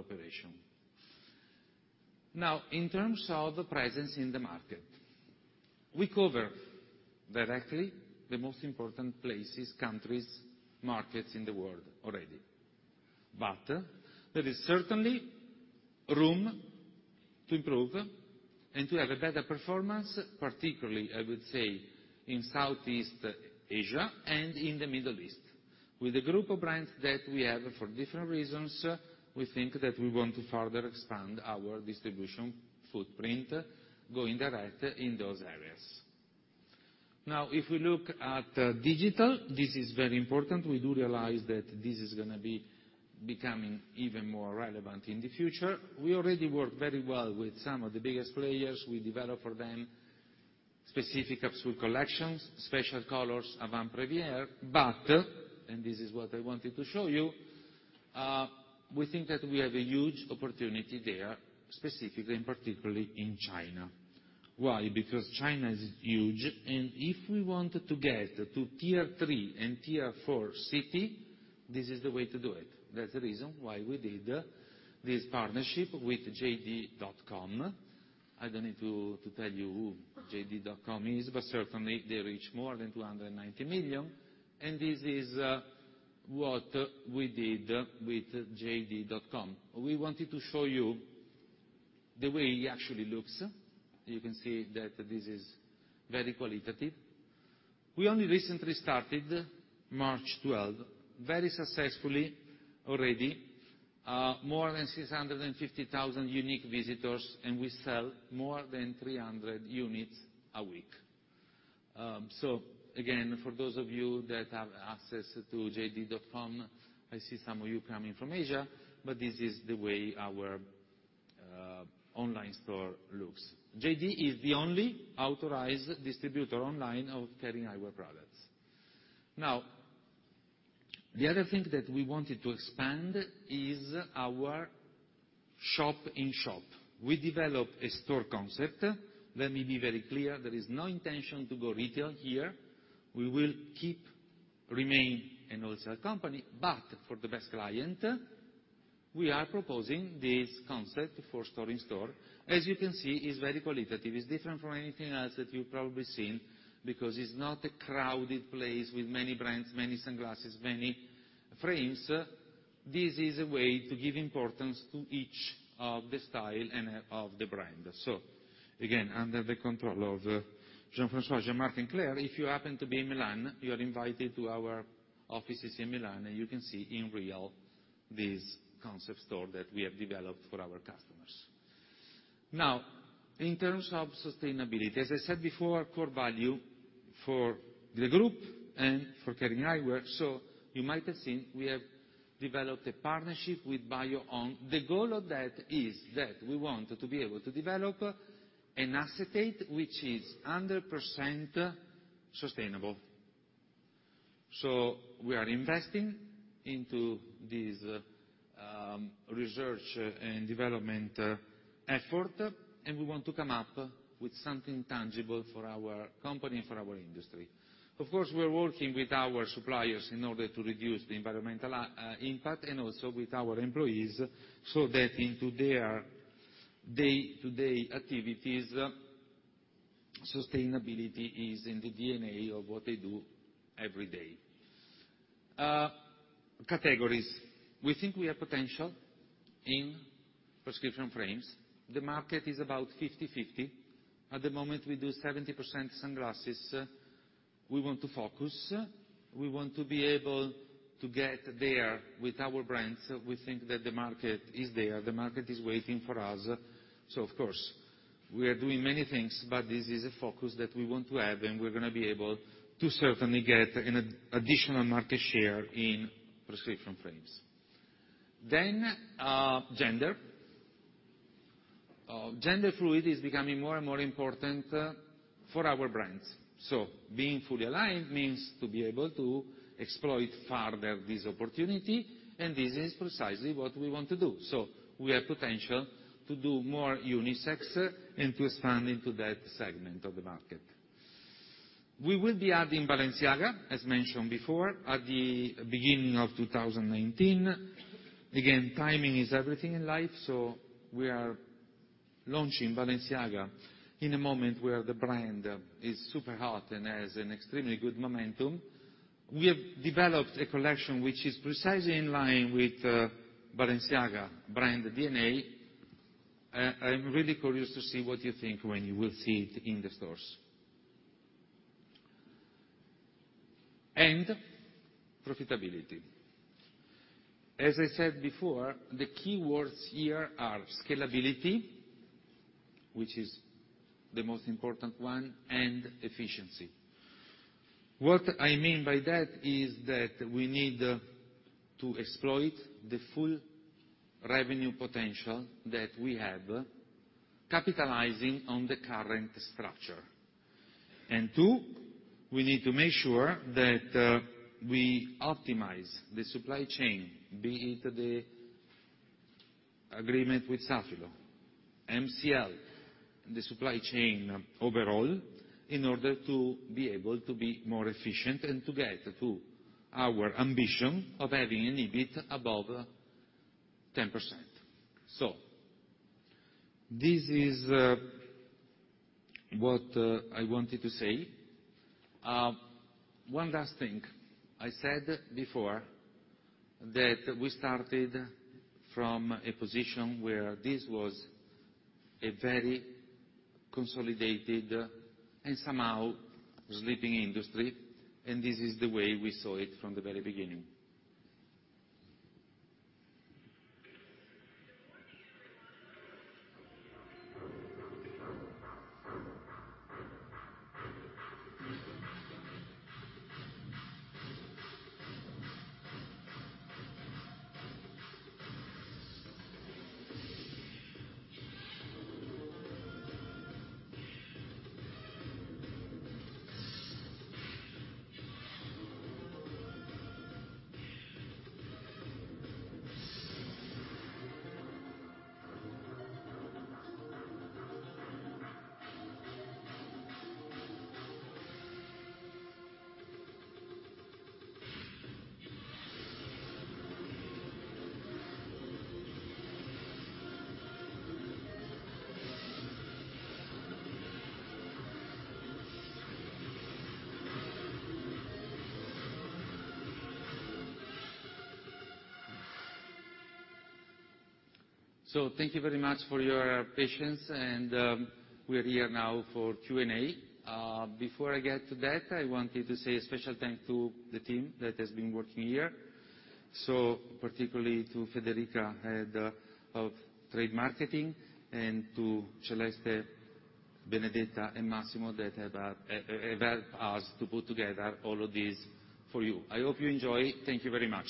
C: operations. In terms of presence in the market, we cover directly the most important places, countries, markets in the world already. There is certainly room to improve and to have a better performance, particularly, I would say, in Southeast Asia and in the Middle East. With the group of brands that we have for different reasons, we think that we want to further expand our distribution footprint going direct in those areas. If we look at digital, this is very important. We do realize that this is going to be becoming even more relevant in the future. We already work very well with some of the biggest players. We develop for them specific capsule collections, special colors, avant-première, and this is what I wanted to show you, we think that we have a huge opportunity there, specifically and particularly in China. Why? Because China is huge, and if we want to get to tier 3 and tier 4 cities, this is the way to do it. That's the reason why we did this partnership with JD.com. I don't need to tell you who JD.com is, certainly they reach more than 290 million, and this is what we did with JD.com. We wanted to show you the way it actually looks. You can see that this is very qualitative. We only recently started, March 12, very successfully already, more than 650,000 unique visitors, and we sell more than 300 units a week. Again, for those of you that have access to JD.com, I see some of you coming from Asia, this is the way our online store looks. JD is the only authorized distributor online of Kering Eyewear products. The other thing that we wanted to expand is our shop in shop. We developed a store concept. Let me be very clear, there is no intention to go retail here. We will keep remain a wholesale company, for the best client, we are proposing this concept for store in store. As you can see, it's very qualitative. It's different from anything else that you've probably seen, because it's not a crowded place with many brands, many sunglasses, many frames. This is a way to give importance to each of the styles and of the brands. Again, under the control of Jean-François, Jean-Marc, and Claire, if you happen to be in Milan, you're invited to our offices in Milan, and you can see in real this concept store that we have developed for our customers. In terms of sustainability, as I said before, our core value for the group and for Kering Eyewear, you might have seen, we have developed a partnership with Bio-on. The goal of that is that we want to be able to develop an acetate, which is 100% sustainable. We are investing into this research and development effort, and we want to come up with something tangible for our company and for our industry. Of course, we're working with our suppliers in order to reduce the environmental impact and also with our employees, so that into their day-to-day activities, sustainability is in the DNA of what they do every day. Categories. We think we have potential in prescription frames. The market is about 50/50. At the moment, we do 70% sunglasses. We want to focus. We want to be able to get there with our brands. We think that the market is there. The market is waiting for us. Of course, we are doing many things, but this is a focus that we want to have, and we're going to be able to certainly get an additional market share in prescription frames. Gender. Gender fluid is becoming more and more important for our brands. Being fully aligned means to be able to exploit further this opportunity, and this is precisely what we want to do. We have potential to do more unisex and to expand into that segment of the market. We will be adding Balenciaga, as mentioned before, at the beginning of 2019. Again, timing is everything in life, we are launching Balenciaga in a moment where the brand is super hot and has an extremely good momentum. We have developed a collection which is precisely in line with Balenciaga brand DNA. I'm really curious to see what you think when you will see it in the stores. Profitability. As I said before, the keywords here are scalability, which is the most important one, and efficiency. What I mean by that is that we need to exploit the full revenue potential that we have, capitalizing on the current structure. Two, we need to make sure that we optimize the supply chain, be it the agreement with Safilo, MCL, the supply chain overall, in order to be able to be more efficient and to get to our ambition of having an EBIT above 10%. This is what I wanted to say. One last thing. I said before that we started from a position where this was a very consolidated and somehow sleeping industry, and this is the way we saw it from the very beginning. Thank you very much for your patience, and we're here now for Q&A. Before I get to that, I wanted to say a special thanks to the team that has been working here. Particularly to Federica, head of trade marketing, and to Celeste, Benedetta, and Massimo that have helped us to put together all of this for you. I hope you enjoy. Thank you very much.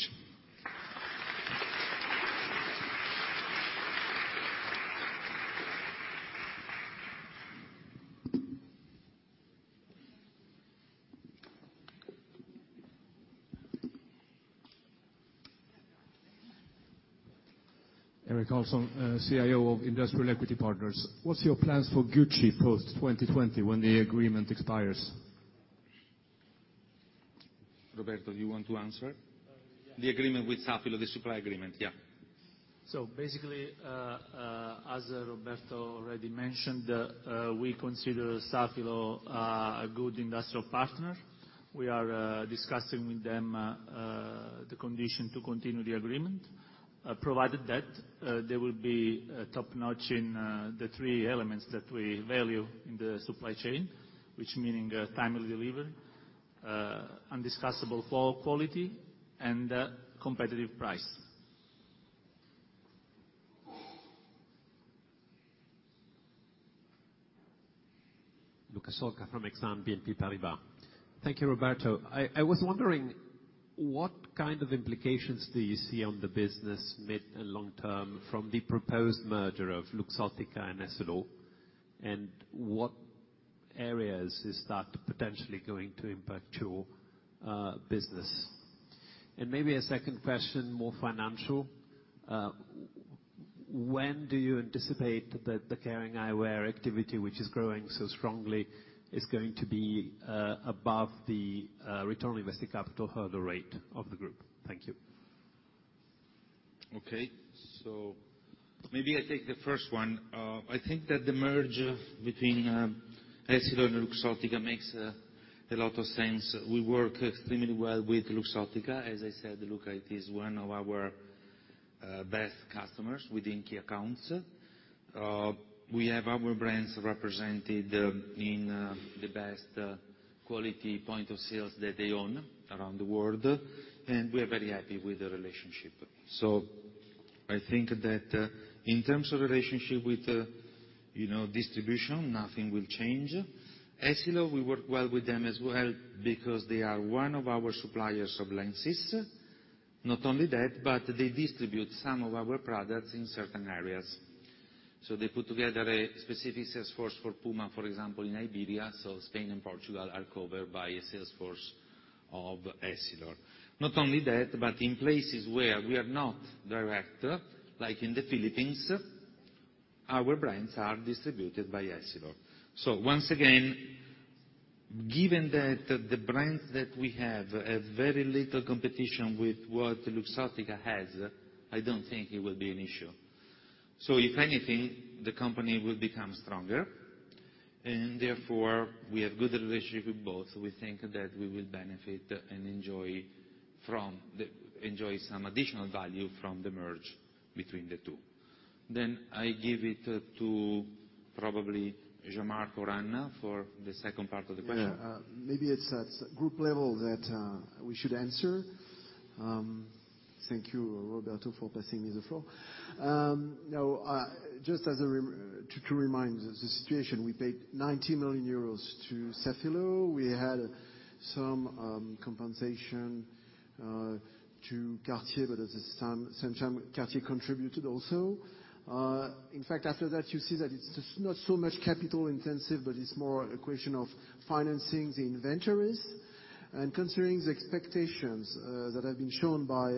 D: Erik Olsson, CIO of Industrial Equity Partners. What's your plans for Gucci post-2020 when the agreement expires?
C: Roberto, do you want to answer?
E: Yes.
C: The agreement with Safilo, the supply agreement.
E: Basically, as Roberto already mentioned, we consider Safilo a good industrial partner. We are discussing with them the condition to continue the agreement, provided that they will be top-notch in the three elements that we value in the supply chain, which meaning timely delivery, undiscussable quality, and competitive price.
F: Luca Solca from Exane BNP Paribas. Thank you, Roberto. I was wondering, what kind of implications do you see on the business mid and long term from the proposed merger of Luxottica and Essilor, and what areas is that potentially going to impact your business? Maybe a second question, more financial. When do you anticipate that the Kering Eyewear activity, which is growing so strongly, is going to be above the return on invested capital hurdle rate of the group? Thank you.
C: Okay, maybe I take the first one. I think that the merger between Essilor and Luxottica makes a lot of sense. We work extremely well with Luxottica. As I said, Luca, it is one of our best customers within key accounts. We have our brands represented in the best quality point of sales that they own around the world, and we are very happy with the relationship. I think that in terms of relationship with distribution, nothing will change. Essilor, we work well with them as well because they are one of our suppliers of lenses. Not only that, but they distribute some of our products in certain areas. They put together a specific sales force for Puma, for example, in Iberia, Spain and Portugal are covered by a sales force of Essilor. Not only that, in places where we are not direct, like in the Philippines, our brands are distributed by Essilor. Once again, given that the brands that we have have very little competition with what Luxottica has, I don't think it will be an issue. If anything, the company will become stronger, and therefore, we have good relationship with both. We think that we will benefit and enjoy some additional value from the merge between the two. I give it to probably Jean-Marc or Anna for the second part of the question.
B: Maybe it's at group level that we should answer. Thank you, Roberto, for passing me the floor. Just to remind the situation, we paid 90 million euros to Safilo. We had some compensation to Cartier, but at the same time, Cartier contributed also. In fact, after that, you see that it's not so much capital-intensive, but it's more a question of financing the inventories. Considering the expectations that have been shown by,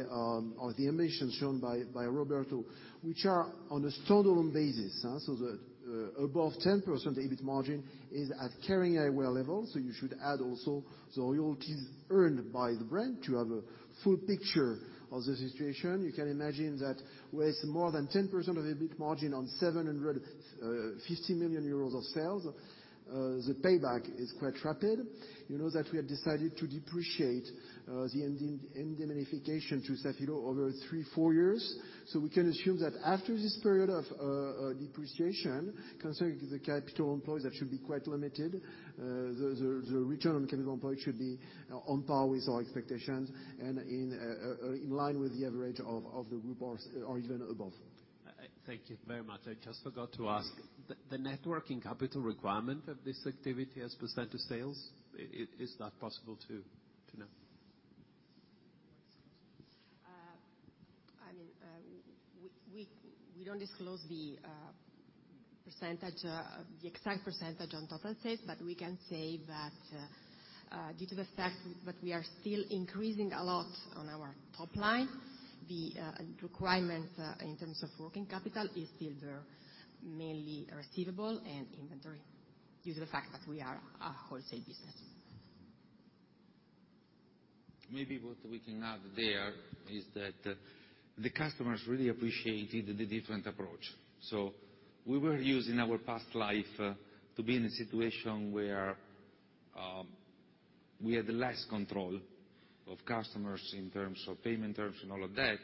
B: or the emissions shown by Roberto, which are on a standalone basis. The above 10% EBIT margin is at Kering Eyewear level, so you should add also the royalties earned by the brand to have a full picture of the situation. You can imagine that with more than 10% of EBIT margin on 750 million euros of sales, the payback is quite rapid. You know that we have decided to depreciate the indemnification to Safilo over three, four years. We can assume that after this period of depreciation, considering the capital employed, that should be quite limited. The return on capital employed should be on par with our expectations and in line with the average of the group or even above.
F: Thank you very much. I just forgot to ask, the net working capital requirement of this activity as a % of sales, is that possible to know?
G: We don't disclose the exact % on total sales, we can say that due to the fact that we are still increasing a lot on our top line, the requirement in terms of working capital is still mainly receivable and inventory, due to the fact that we are a wholesale business.
C: Maybe what we can add there is that the customers really appreciated the different approach. We were used, in our past life, to be in a situation where we had less control of customers in terms of payment terms and all of that,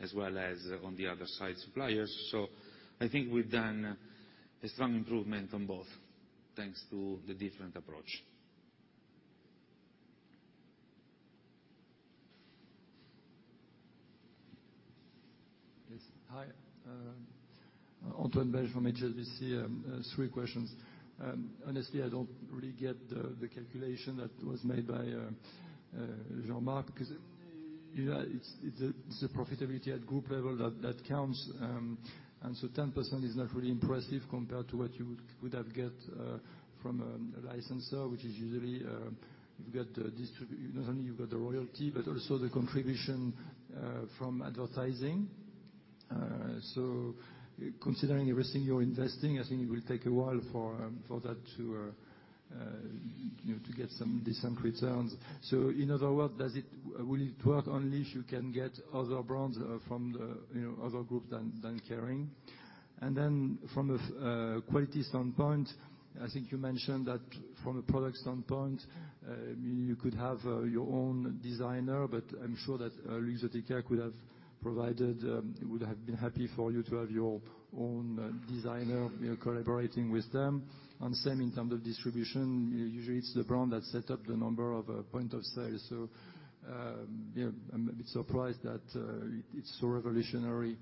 C: as well as on the other side, suppliers. I think we've done a strong improvement on both, thanks to the different approach.
H: Yes. Hi. Antoine Belge from HSBC. Three questions. Honestly, I don't really get the calculation that was made by Jean-Marc, because it's the profitability at group level that counts. 10% is not really impressive compared to what you would have got from a licensor, which is usually you've got the royalty, but also the contribution from advertising. Considering everything you're investing, I think it will take a while for that to get some decent returns. In other words, will it work only if you can get other brands from other groups than Kering? From a quality standpoint, I think you mentioned that from a product standpoint, you could have your own designer, but I'm sure that Luxottica would have been happy for you to have your own designer collaborating with them. Same in terms of distribution. Usually, it's the brand that sets up the number of point of sales. I'm a bit surprised that it's so revolutionary.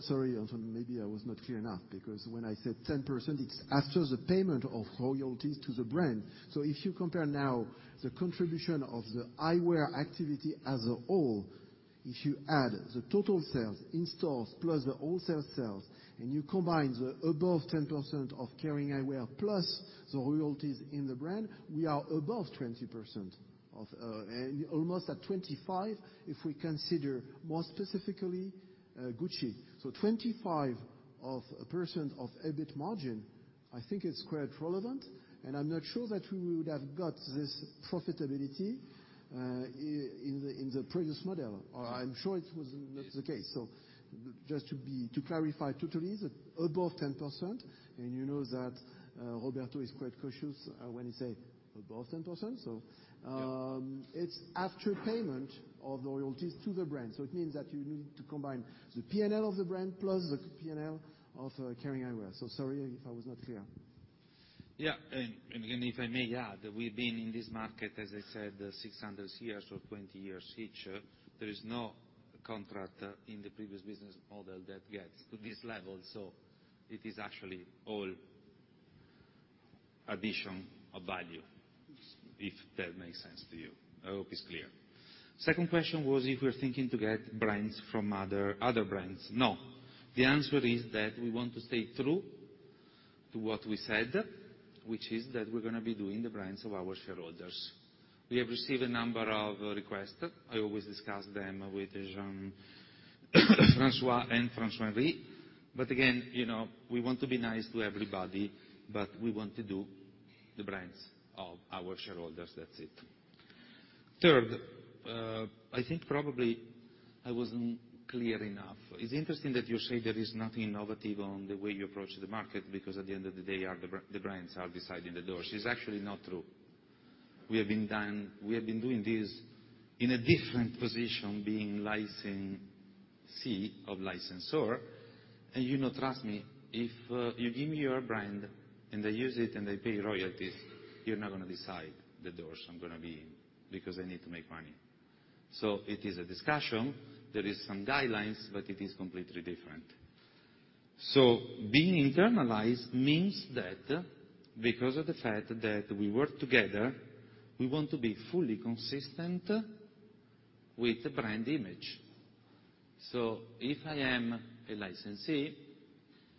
B: Sorry, Antoine, maybe I was not clear enough because when I said 10%, it's after the payment of royalties to the brand. If you compare now the contribution of the eyewear activity as a whole, if you add the total sales in stores plus the wholesale sales and you combine the above 10% of Kering Eyewear plus the royalties in the brand, we are above 20% and almost at 25%, if we consider more specifically Gucci. 25% of EBIT margin, I think it's quite relevant, and I'm not sure that we would have got this profitability in the previous model, or I'm sure it was not the case. Just to clarify totally, above 10%, and you know that Roberto is quite cautious when he say above 10%. It's after payment of the royalties to the brand. It means that you need to combine the P&L of the brand plus the P&L of Kering Eyewear. Sorry if I was not clear.
C: Yeah. Again, if I may add, we've been in this market, as I said, 600 years or 20 years each. There is no contract in the previous business model that gets to this level. It is actually all addition of value, if that makes sense to you. I hope it's clear. Second question was if we're thinking to get brands from other brands. No. The answer is that we want to stay true to what we said, which is that we're going to be doing the brands of our shareholders. We have received a number of requests. I always discuss them with Jean-François and François-Henri. Again, we want to be nice to everybody, but we want to do the brands of our shareholders. That's it. Third, I think probably I wasn't clear enough. It's interesting that you say there is nothing innovative on the way you approach the market because at the end of the day, the brands are deciding the doors. It's actually not true. We have been doing this in a different position, being licensee of licensor. You know, trust me, if you give me your brand and I use it and I pay royalties, you're not going to decide the doors I'm going to be in because I need to make money. It is a discussion. There is some guidelines, but it is completely different. Being internalized means that because of the fact that we work together, we want to be fully consistent with the brand image. If I am a licensee,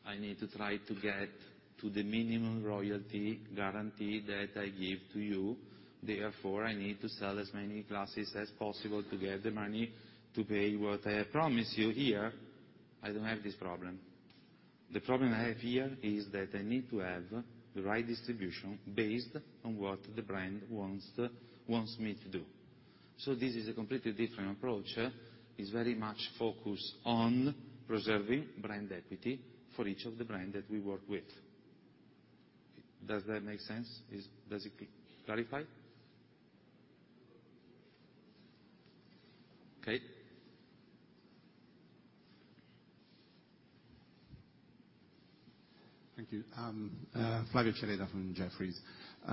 C: I need to try to get to the minimum royalty guarantee that I give to you. Therefore, I need to sell as many glasses as possible to get the money to pay what I promise you. Here, I don't have this problem. The problem I have here is that I need to have the right distribution based on what the brand wants me to do. This is a completely different approach. It's very much focused on preserving brand equity for each of the brands that we work with. Does that make sense? Does it clarify? Okay.
D: Thank you. Flavio Cereda from Jefferies.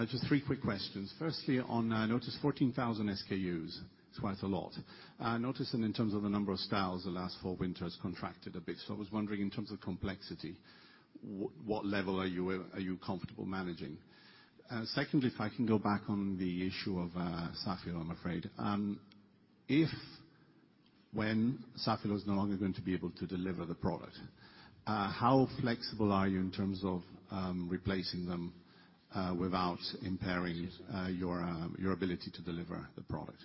D: Just three quick questions. Firstly, on notice, 14,000 SKUs, it's quite a lot. I noticed that in terms of the number of styles, the last four winters contracted a bit. I was wondering in terms of complexity, what level are you comfortable managing? Secondly, if I can go back on the issue of Safilo, I'm afraid. If, when Safilo is no longer going to be able to deliver the product, how flexible are you in terms of replacing them without impairing your ability to deliver the product?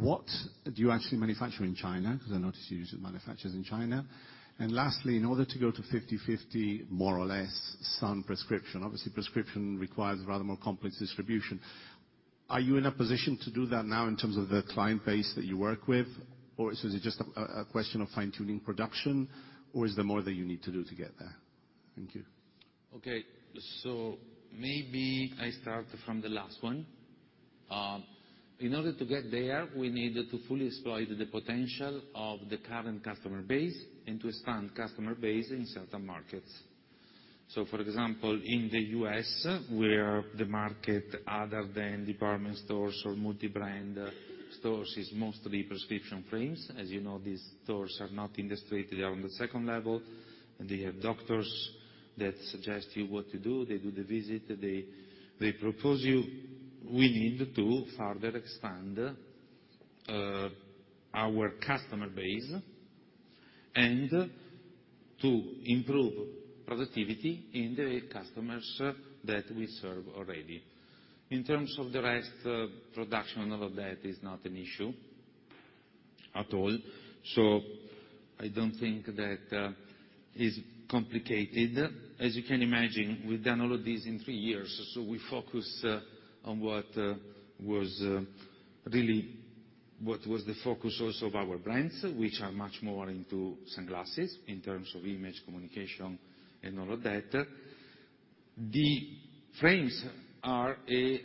D: What do you actually manufacture in China? Because I noticed you said manufactures in China. Lastly, in order to go to 50/50 more or less sun prescription, obviously prescription requires rather more complex distribution. Are you in a position to do that now in terms of the client base that you work with?
I: Is it just a question of fine-tuning production? Is there more that you need to do to get there? Thank you.
C: Okay. Maybe I start from the last one. In order to get there, we need to fully exploit the potential of the current customer base and to expand customer base in certain markets. For example, in the U.S., where the market other than department stores or multi-brand stores is mostly prescription frames. As you know, these stores are not in the street, they are on the second level, and they have doctors that suggest to you what to do. They do the visit. They propose you. We need to further expand our customer base and to improve productivity in the customers that we serve already. In terms of the rest, production and all of that is not an issue at all. I don't think that is complicated. As you can imagine, we've done all of this in three years. We focused on what was the focus also of our brands, which are much more into sunglasses, in terms of image, communication, and all of that. The frames are a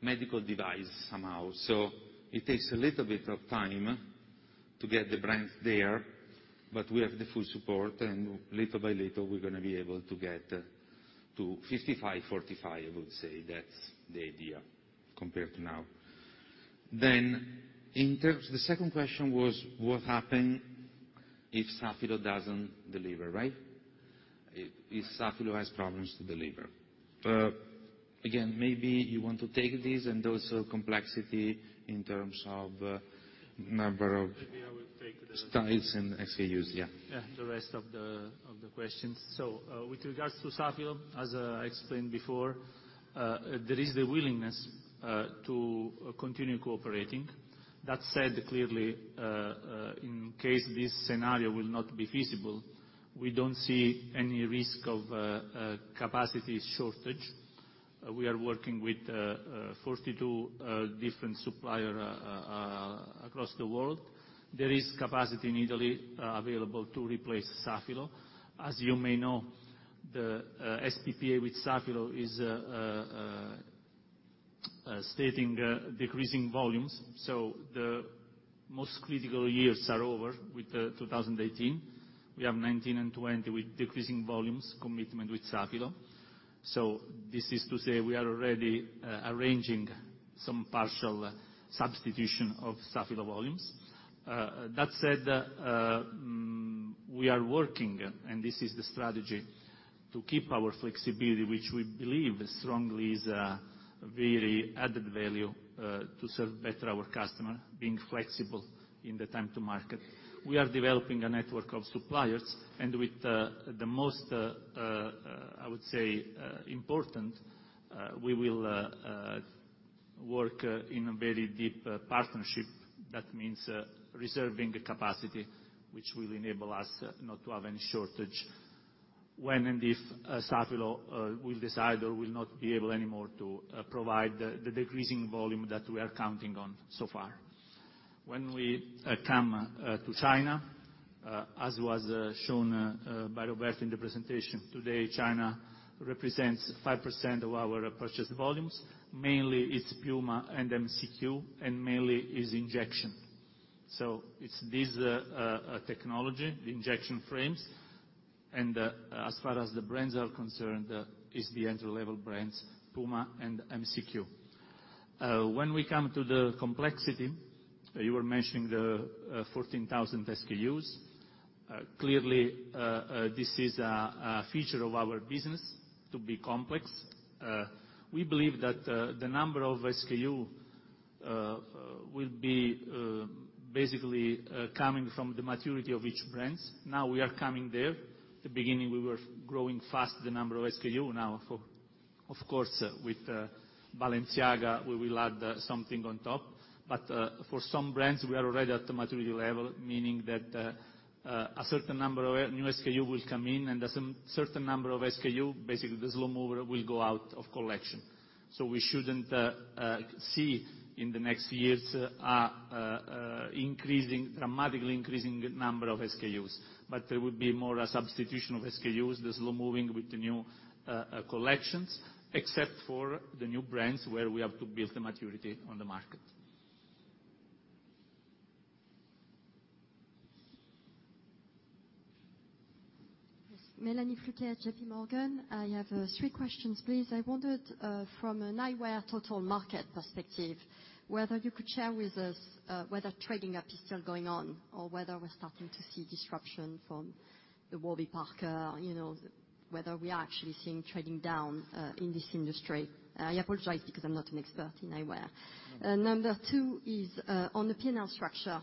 C: medical device somehow. It takes a little bit of time to get the brands there, but we have the full support, and little by little, we're going to be able to get to 55/45, I would say. That's the idea, compared to now. The second question was what happen if Safilo doesn't deliver, right? If Safilo has problems to deliver. Again, maybe you want to take this and also complexity in terms of number of.
E: Maybe I would take the.
C: styles and SKUs, yeah.
E: The rest of the questions. With regards to Safilo, as I explained before, there is the willingness to continue cooperating. That said, clearly, in case this scenario will not be feasible, we don't see any risk of capacity shortage. We are working with 42 different supplier across the world. There is capacity in Italy available to replace Safilo. As you may know, the STPA with Safilo is stating decreasing volumes. The most critical years are over with 2018. We have 2019 and 2020 with decreasing volumes commitment with Safilo. This is to say we are already arranging some partial substitution of Safilo volumes. That said, we are working, and this is the strategy to keep our flexibility, which we believe strongly is a really added value, to serve better our customer, being flexible in the time to market. We are developing a network of suppliers. With the most, I would say, important, we will work in a very deep partnership. That means reserving capacity, which will enable us not to have any shortage when and if Safilo will decide or will not be able anymore to provide the decreasing volume that we are counting on so far. When we come to China, as was shown by Roberto in the presentation today, China represents 5% of our purchase volumes. Mainly, it's Puma and MCQ, and mainly is injection. It's this technology, the injection frames. As far as the brands are concerned, it's the entry-level brands, Puma and MCQ. When we come to the complexity, you were mentioning the 14,000 SKUs. Clearly, this is a feature of our business to be complex. We believe that the number of SKU will be basically coming from the maturity of each brands. We are coming there. At the beginning, we were growing fast the number of SKU. Of course, with Balenciaga, we will add something on top. For some brands, we are already at the maturity level, meaning that a certain number of new SKU will come in and a certain number of SKU, basically the slow mover, will go out of collection. We shouldn't see in the next years dramatically increasing number of SKUs. There would be more a substitution of SKUs, the slow moving with the new collections, except for the new brands where we have to build the maturity on the market.
J: Yes. Mélanie Flouquet at J.P. Morgan. I have three questions, please. I wondered, from an eyewear total market perspective, whether you could share with us whether trading up is still going on or whether we're starting to see disruption from the Warby Parker, whether we are actually seeing trading down in this industry. I apologize because I'm not an expert in eyewear. Number two is, on the P&L structure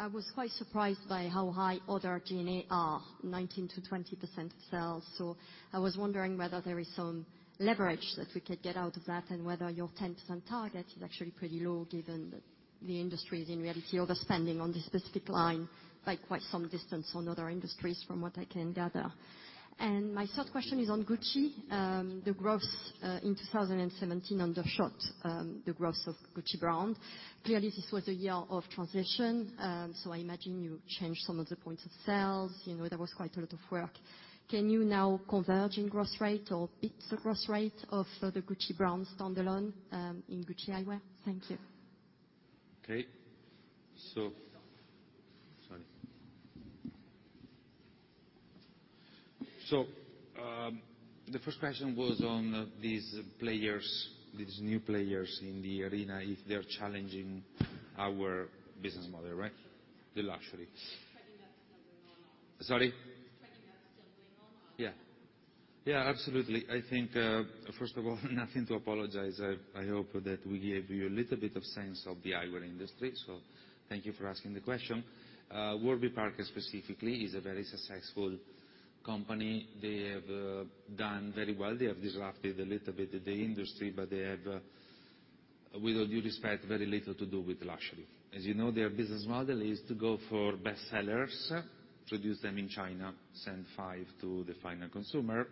J: I was quite surprised by how high other G&A are, 19%-20% of sales. I was wondering whether there is some leverage that we could get out of that, and whether your 10% target is actually pretty low given that the industry is, in reality, overspending on this specific line by quite some distance on other industries from what I can gather. My third question is on Gucci. The growth in 2017 undershot the growth of Gucci brand. Clearly, this was a year of transition. I imagine you changed some of the points of sales. There was quite a lot of work. Can you now converge in growth rate or beat the growth rate of the Gucci brand standalone in Gucci Eyewear? Thank you.
C: Okay. Sorry. The first question was on these new players in the arena, if they're challenging our business model, right? The luxury.
J: <inaudible>
C: Sorry.
J: <inaudible>
C: Yeah. Absolutely. I think, first of all, nothing to apologize. I hope that we gave you a little bit of sense of the eyewear industry, so thank you for asking the question. Warby Parker specifically is a very successful company. They have done very well. They have disrupted a little bit the industry, but they have, with all due respect, very little to do with luxury. As you know, their business model is to go for bestsellers, produce them in China, send five to the final consumer,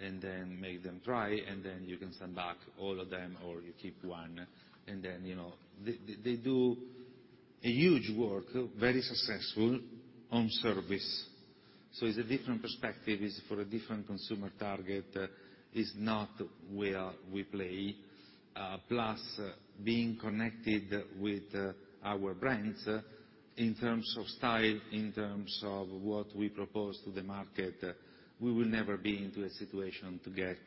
C: and then make them try, and then you can send back all of them or you keep one. They do a huge work, very successful on service. It's a different perspective, it's for a different consumer target, is not where we play. Being connected with our brands in terms of style, in terms of what we propose to the market, we will never be into a situation to get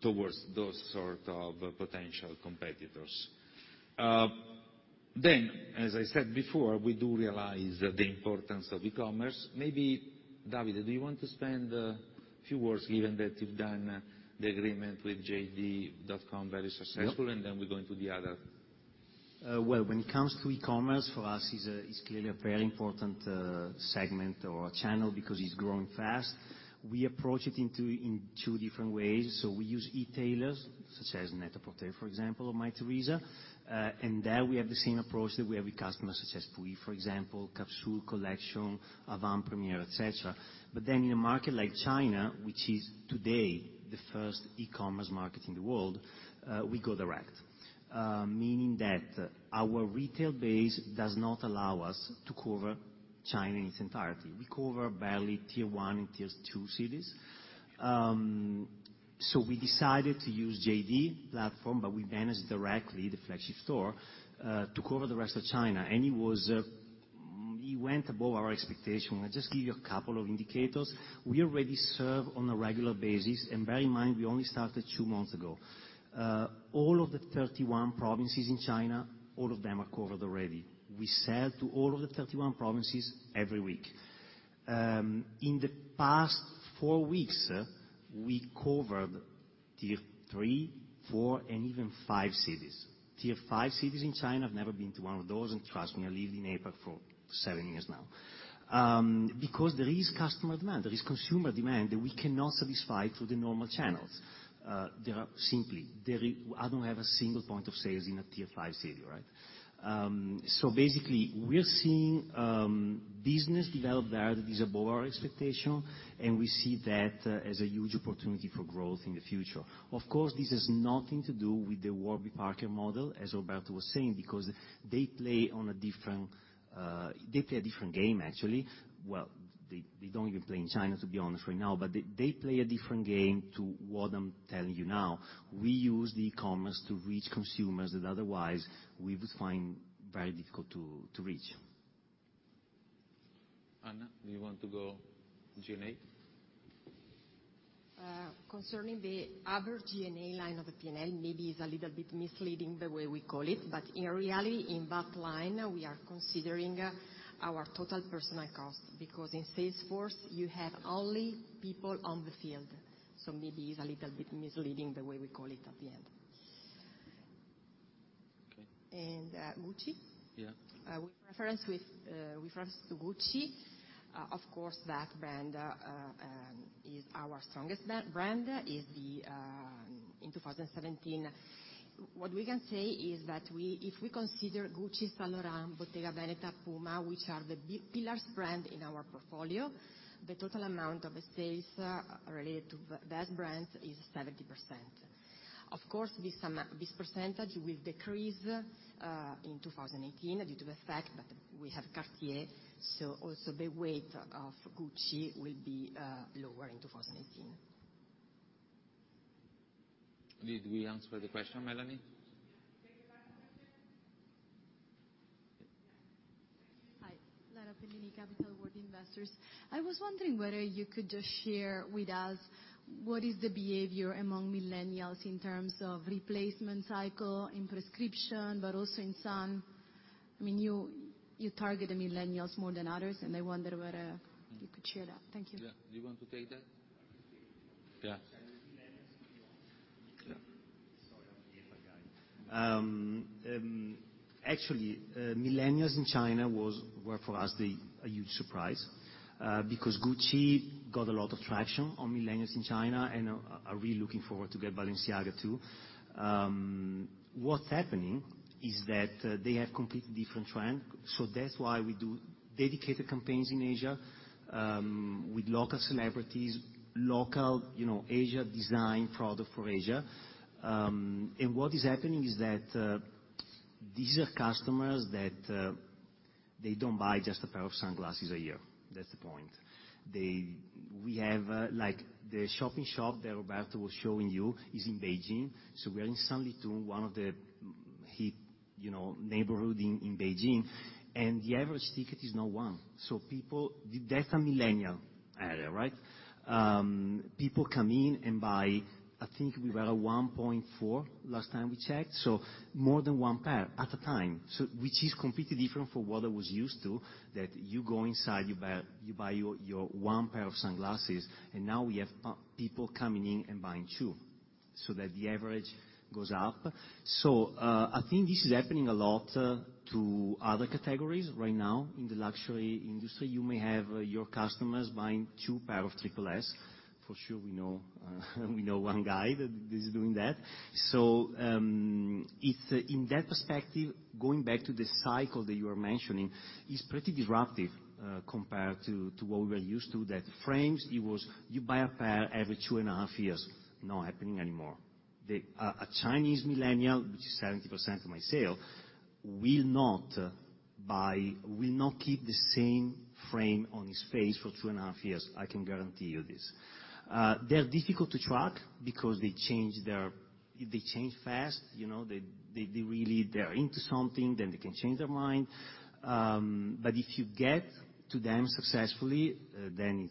C: towards those sort of potential competitors. As I said before, we do realize the importance of e-commerce. Maybe Davide, do you want to spend a few words, given that you've done the agreement with JD.com, very successful.
K: Well, when it comes to e-commerce, for us, it's clearly a very important segment or a channel because it's growing fast. We approach it in two different ways. We use e-tailers such as Net-a-Porter, for example, or Mytheresa. There we have the same approach that we have with customers such as Puyi, for example, capsule collection, avant-premiere, et cetera. In a market like China, which is today the first e-commerce market in the world, we go direct, meaning that our retail base does not allow us to cover China in its entirety. We cover barely tier 1 and tiers 2 cities. We decided to use JD platform, but we manage directly the flagship store, to cover the rest of China. It went above our expectation. I'll just give you a couple of indicators. We already serve on a regular basis, bear in mind, we only started 2 months ago. All of the 31 provinces in China, all of them are covered already. We sell to all of the 31 provinces every week. In the past 4 weeks, we covered tier 3, 4, and even 5 cities. Tier 5 cities in China, I've never been to one of those, and trust me, I live in APAC for 7 years now. Because there is customer demand, there is consumer demand that we cannot satisfy through the normal channels. I don't have a single point of sales in a tier 5 city, right? Basically, we're seeing business develop there that is above our expectation, and we see that as a huge opportunity for growth in the future. Of course, this has nothing to do with the Warby Parker model, as Roberto was saying, because they play a different game, actually. They don't even play in China, to be honest, right now, but they play a different game to what I'm telling you now. We use the e-commerce to reach consumers that otherwise we would find very difficult to reach.
C: Anna, do you want to go G&A?
G: Concerning the other G&A line of the P&L, maybe it's a little bit misleading the way we call it, but in reality, in that line, we are considering our total personal cost, because in sales force, you have only people on the field. Maybe it's a little bit misleading the way we call it at the end.
C: Okay.
G: Gucci.
C: Yeah.
G: With reference to Gucci, of course, that brand is our strongest brand in 2017. What we can say is that if we consider Gucci, Saint Laurent, Bottega Veneta, Puma, which are the pillars brand in our portfolio, the total amount of sales related to that brand is 70%. Of course, this percentage will decrease in 2018 due to the fact that we have Cartier, so also the weight of Gucci will be lower in 2018.
C: Did we answer the question, Mélanie? Yeah. Take the back question.
L: Hi. Lara Pezzini, Capital World Investors. I was wondering whether you could just share with us what is the behavior among millennials in terms of replacement cycle in prescription, but also in sun. You target the millennials more than others. I wonder whether you could share that. Thank you.
C: Yeah. Do you want to take that? Yeah
K: Yeah. Sorry, I'm the alpha guy. Actually, millennials in China were, for us, a huge surprise, because Gucci got a lot of traction on millennials in China. Are really looking forward to get Balenciaga too. What's happening is that they have completely different trend. That's why we do dedicated campaigns in Asia with local celebrities, local Asia design product for Asia. What is happening is that these are customers that, they don't buy just a pair of sunglasses a year. That's the point. The shopping shop that Roberto was showing you is in Beijing. We're in Sanlitun, one of the hip neighborhood in Beijing. The average ticket is not one. That's a millennial area, right? People come in and buy, I think we were at 1.4 last time we checked. More than one pair at a time. Which is completely different from what I was used to. That you go inside, you buy your one pair of sunglasses. Now we have people coming in and buying two. The average goes up. I think this is happening a lot to other categories right now in the luxury industry. You may have your customers buying two pair of Triple S. For sure we know one guy that is doing that. In that perspective, going back to the cycle that you are mentioning, is pretty disruptive compared to what we were used to. That frames, you buy a pair every two and a half years. Not happening anymore. A Chinese millennial, which is 70% of my sale, will not keep the same frame on his face for two and a half years, I can guarantee you this. They're difficult to track because they change fast. They're into something, then they can change their mind. If you get to them successfully, then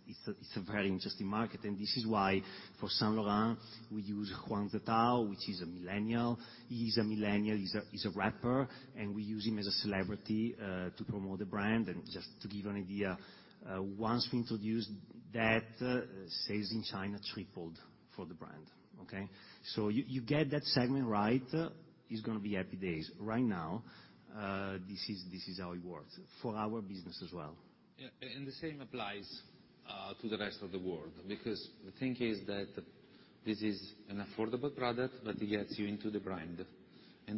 K: it's a very interesting market. This is why for Saint Laurent we use Huang Zitao, which is a millennial. He's a millennial, he's a rapper, and we use him as a celebrity to promote the brand. Just to give you an idea, once we introduced that, sales in China tripled for the brand, okay? You get that segment right, it's going to be happy days. Right now, this is how it works for our business as well.
C: Yeah. The same applies to the rest of the world, because the thing is that this is an affordable product that gets you into the brand.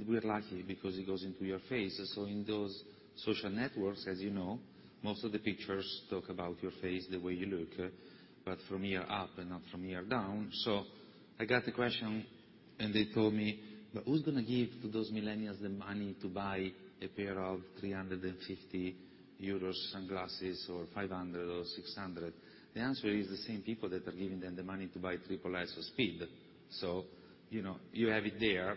C: We're lucky because it goes into your face. In those social networks, as you know, most of the pictures talk about your face, the way you look, but from here up and not from here down. I got a question and they told me, "Who's going to give to those millennials the money to buy a pair of 350 euros sunglasses or 500 or 600?" The answer is the same people that are giving them the money to buy Triple S or Speed. You have it there.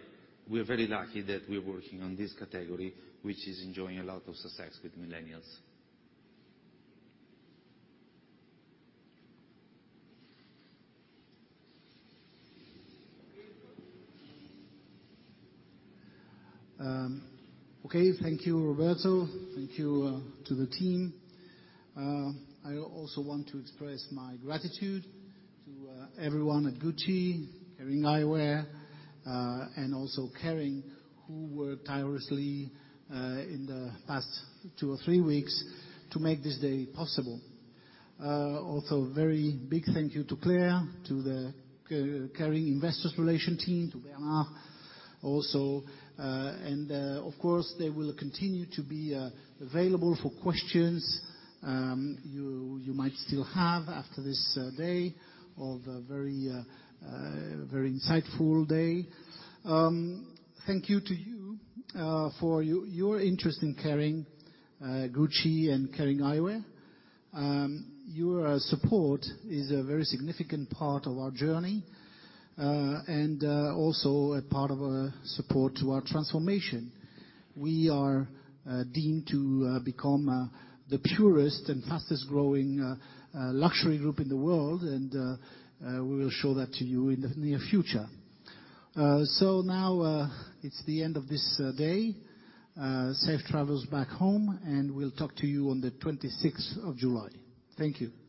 C: We're very lucky that we're working on this category, which is enjoying a lot of success with millennials.
A: Okay. Thank you, Roberto. Thank you to the team. I also want to express my gratitude to everyone at Gucci, Kering Eyewear, and also Kering, who worked tirelessly in the past two or three weeks to make this day possible. Also, very big thank you to Claire, to the Kering Investor Relations team, to Bernard also. Of course, they will continue to be available for questions you might still have after this day, of a very insightful day. Thank you to you, for your interest in Kering, Gucci and Kering Eyewear. Your support is a very significant part of our journey. Also a part of our support to our transformation. We are deemed to become the purest and fastest growing luxury group in the world, and we will show that to you in the near future. Now, it's the end of this day.
K: Safe travels back home, and we'll talk to you on the 26th of July. Thank you.
C: Thank you.